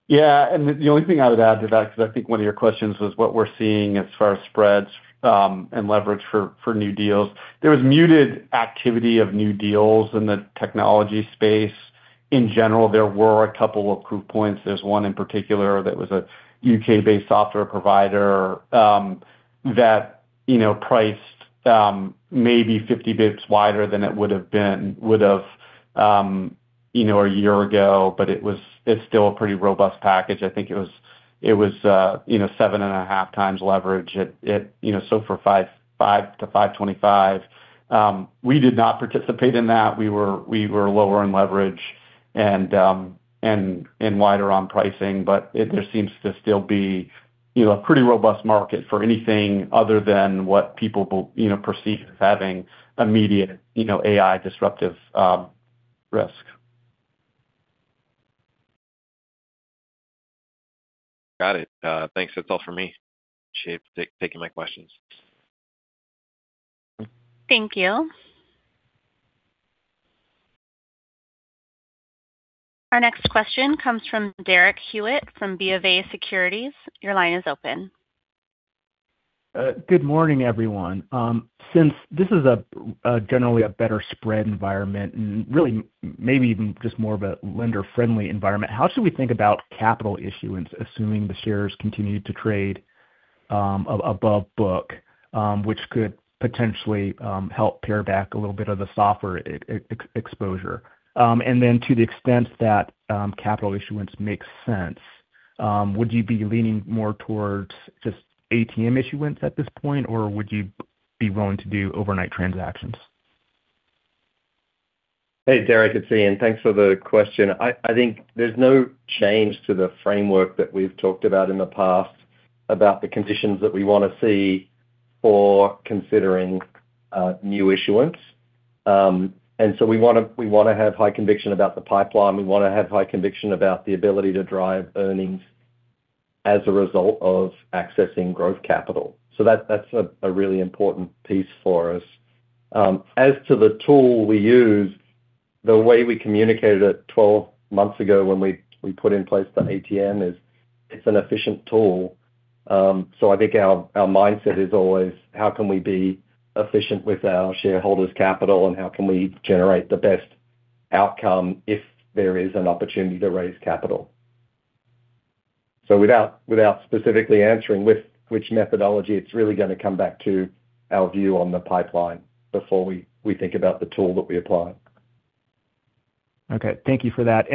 Yeah. The only thing I would add to that, because I think one of your questions was what we're seeing as far as spreads and leverage for new deals. There was muted activity of new deals in the technology space. In general, there were a couple of proof points. There's one in particular that was a U.K.-based software provider that, you know, priced maybe 50 basis points wider than it would've, you know, a year ago. It's still a pretty robust package. I think it was, you know, 7.5x leverage at, you know, SOFR 5.00%-5.25%. We did not participate in that. We were lower on leverage and wider on pricing. There seems to still be, you know, a pretty robust market for anything other than what people will, you know, perceive as having immediate, you know, AI-disruptive, risk. Got it. Thanks. That's all for me. Appreciate taking my questions. Thank you. Our next question comes from Derek Hewett from BofA Securities. Your line is open. Good morning, everyone. Since this is a generally a better spread environment and really maybe even just more of a lender-friendly environment, how should we think about capital issuance, assuming the shares continue to trade above book, which could potentially help pare back a little bit of the software exposure? To the extent that capital issuance makes sense, would you be leaning more towards just ATM issuance at this point, or would you be willing to do overnight transactions? Hey, Derek, it's Ian. Thanks for the question. I think there's no change to the framework that we've talked about in the past about the conditions that we wanna see for considering new issuance. We wanna have high conviction about the pipeline. We wanna have high conviction about the ability to drive earnings as a result of accessing growth capital. That's a really important piece for us. As to the tool we use, the way we communicated it 12 months ago when we put in place the ATM is it's an efficient tool. I think our mindset is always how can we be efficient with our shareholders' capital, and how can we generate the best outcome if there is an opportunity to raise capital? Without specifically answering with which methodology, it's really gonna come back to our view on the pipeline before we think about the tool that we apply. Okay. Thank you for that.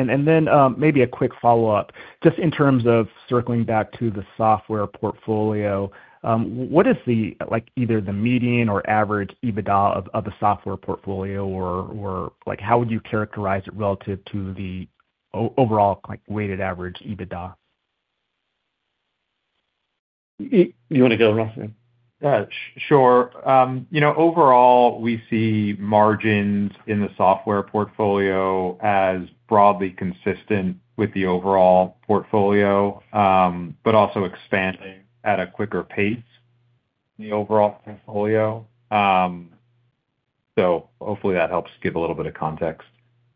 Maybe a quick follow-up. Just in terms of circling back to the software portfolio, what is the either the median or average EBITDA of the software portfolio or how would you characterize it relative to the overall weighted average EBITDA? You wanna go, Ross? Yeah, sure. You know, overall, we see margins in the software portfolio as broadly consistent with the overall portfolio, but also expanding at a quicker pace than the overall portfolio. Hopefully that helps give a little bit of context.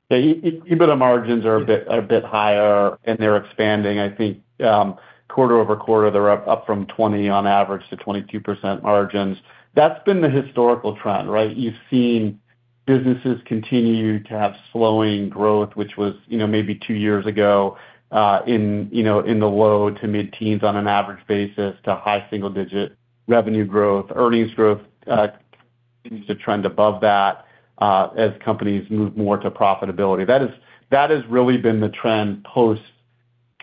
EBITDA margins are a bit higher, and they're expanding. Quarter-over-quarter, they're up from 20 on average to 22% margins. That's been the historical trend, right? You've seen businesses continue to have slowing growth, which was, you know, maybe two years ago, in, you know, in the low to mid-teens on an average basis to high single-digit revenue growth. Earnings growth continues to trend above that as companies move more to profitability. That has really been the trend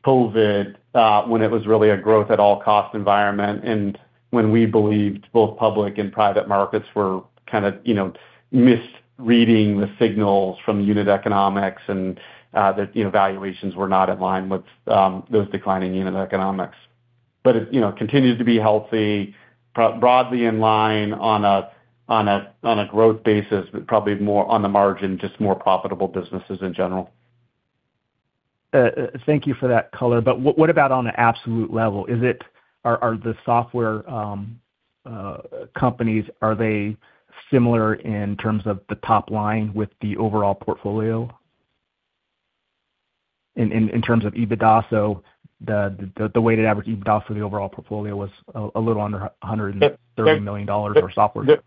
post-COVID when it was really a growth at all cost environment, and when we believed both public and private markets were kind of, you know, misreading the signals from unit economics and, the, you know, valuations were not in line with those declining unit economics. It, you know, continues to be healthy, broadly in line on a growth basis, but probably more on the margin, just more profitable businesses in general. Thank you for that color. What about on an absolute level? Are the software companies similar in terms of the top line with the overall portfolio? In terms of EBITDA. The weighted average EBITDA for the overall portfolio was a little under $130 million for software.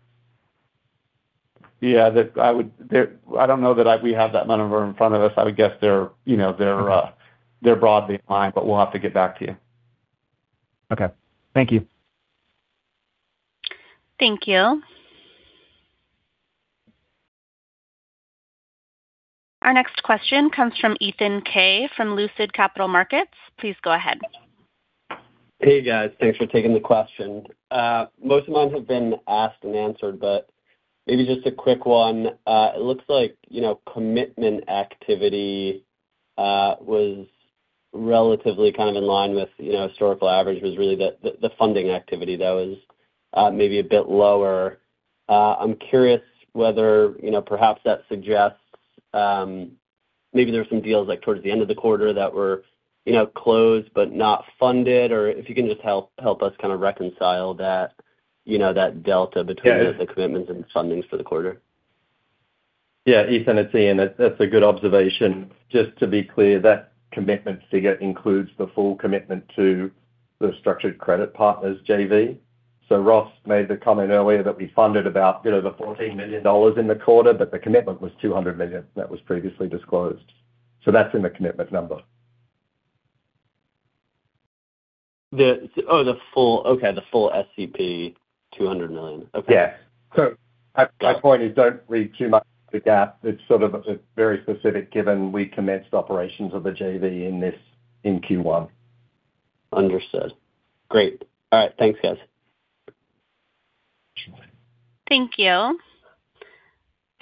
Yeah. I don't know that we have that number in front of us. I would guess they're, you know, they're broadly in line, but we'll have to get back to you. Okay. Thank you. Thank you. Our next question comes from Ethan Kaye from Lucid Capital Markets. Please go ahead. Hey, guys. Thanks for taking the question. Most of mine have been asked and answered, but maybe just a quick one. It looks like, you know, commitment activity was relatively kind of in line with, you know, historical average. It was really the funding activity, though, was maybe a bit lower. I'm curious whether, you know, perhaps that suggests maybe there were some deals like towards the end of the quarter that were, you know, closed but not funded, or if you can just help us kind of reconcile that, you know, that delta between. Yeah. the commitments and fundings for the quarter. Yeah, Ethan, it's Ian. That's a good observation. Just to be clear, that commitment figure includes the full commitment to the Structured Credit Partners JV. Ross made the comment earlier that we funded about, you know, the $14 million in the quarter, but the commitment was $200 million that was previously disclosed. That's in the commitment number. The full SCP $200 million. Okay. Yeah. My point is don't read too much into the gap. It's sort of a very specific given we commenced operations of the JV in this, in Q1. Understood. Great. All right, thanks, guys. Thank you. I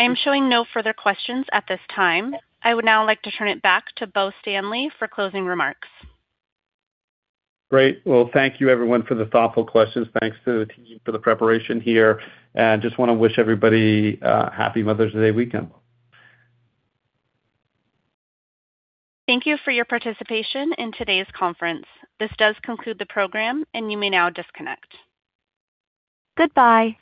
am showing no further questions at this time. I would now like to turn it back to Bo Stanley for closing remarks. Great. Well, thank you everyone for the thoughtful questions. Thanks to the team for the preparation here. Just wanna wish everybody a Happy Mother's Day weekend. Thank you for your participation in today's conference. This does conclude the program, and you may now disconnect. Goodbye.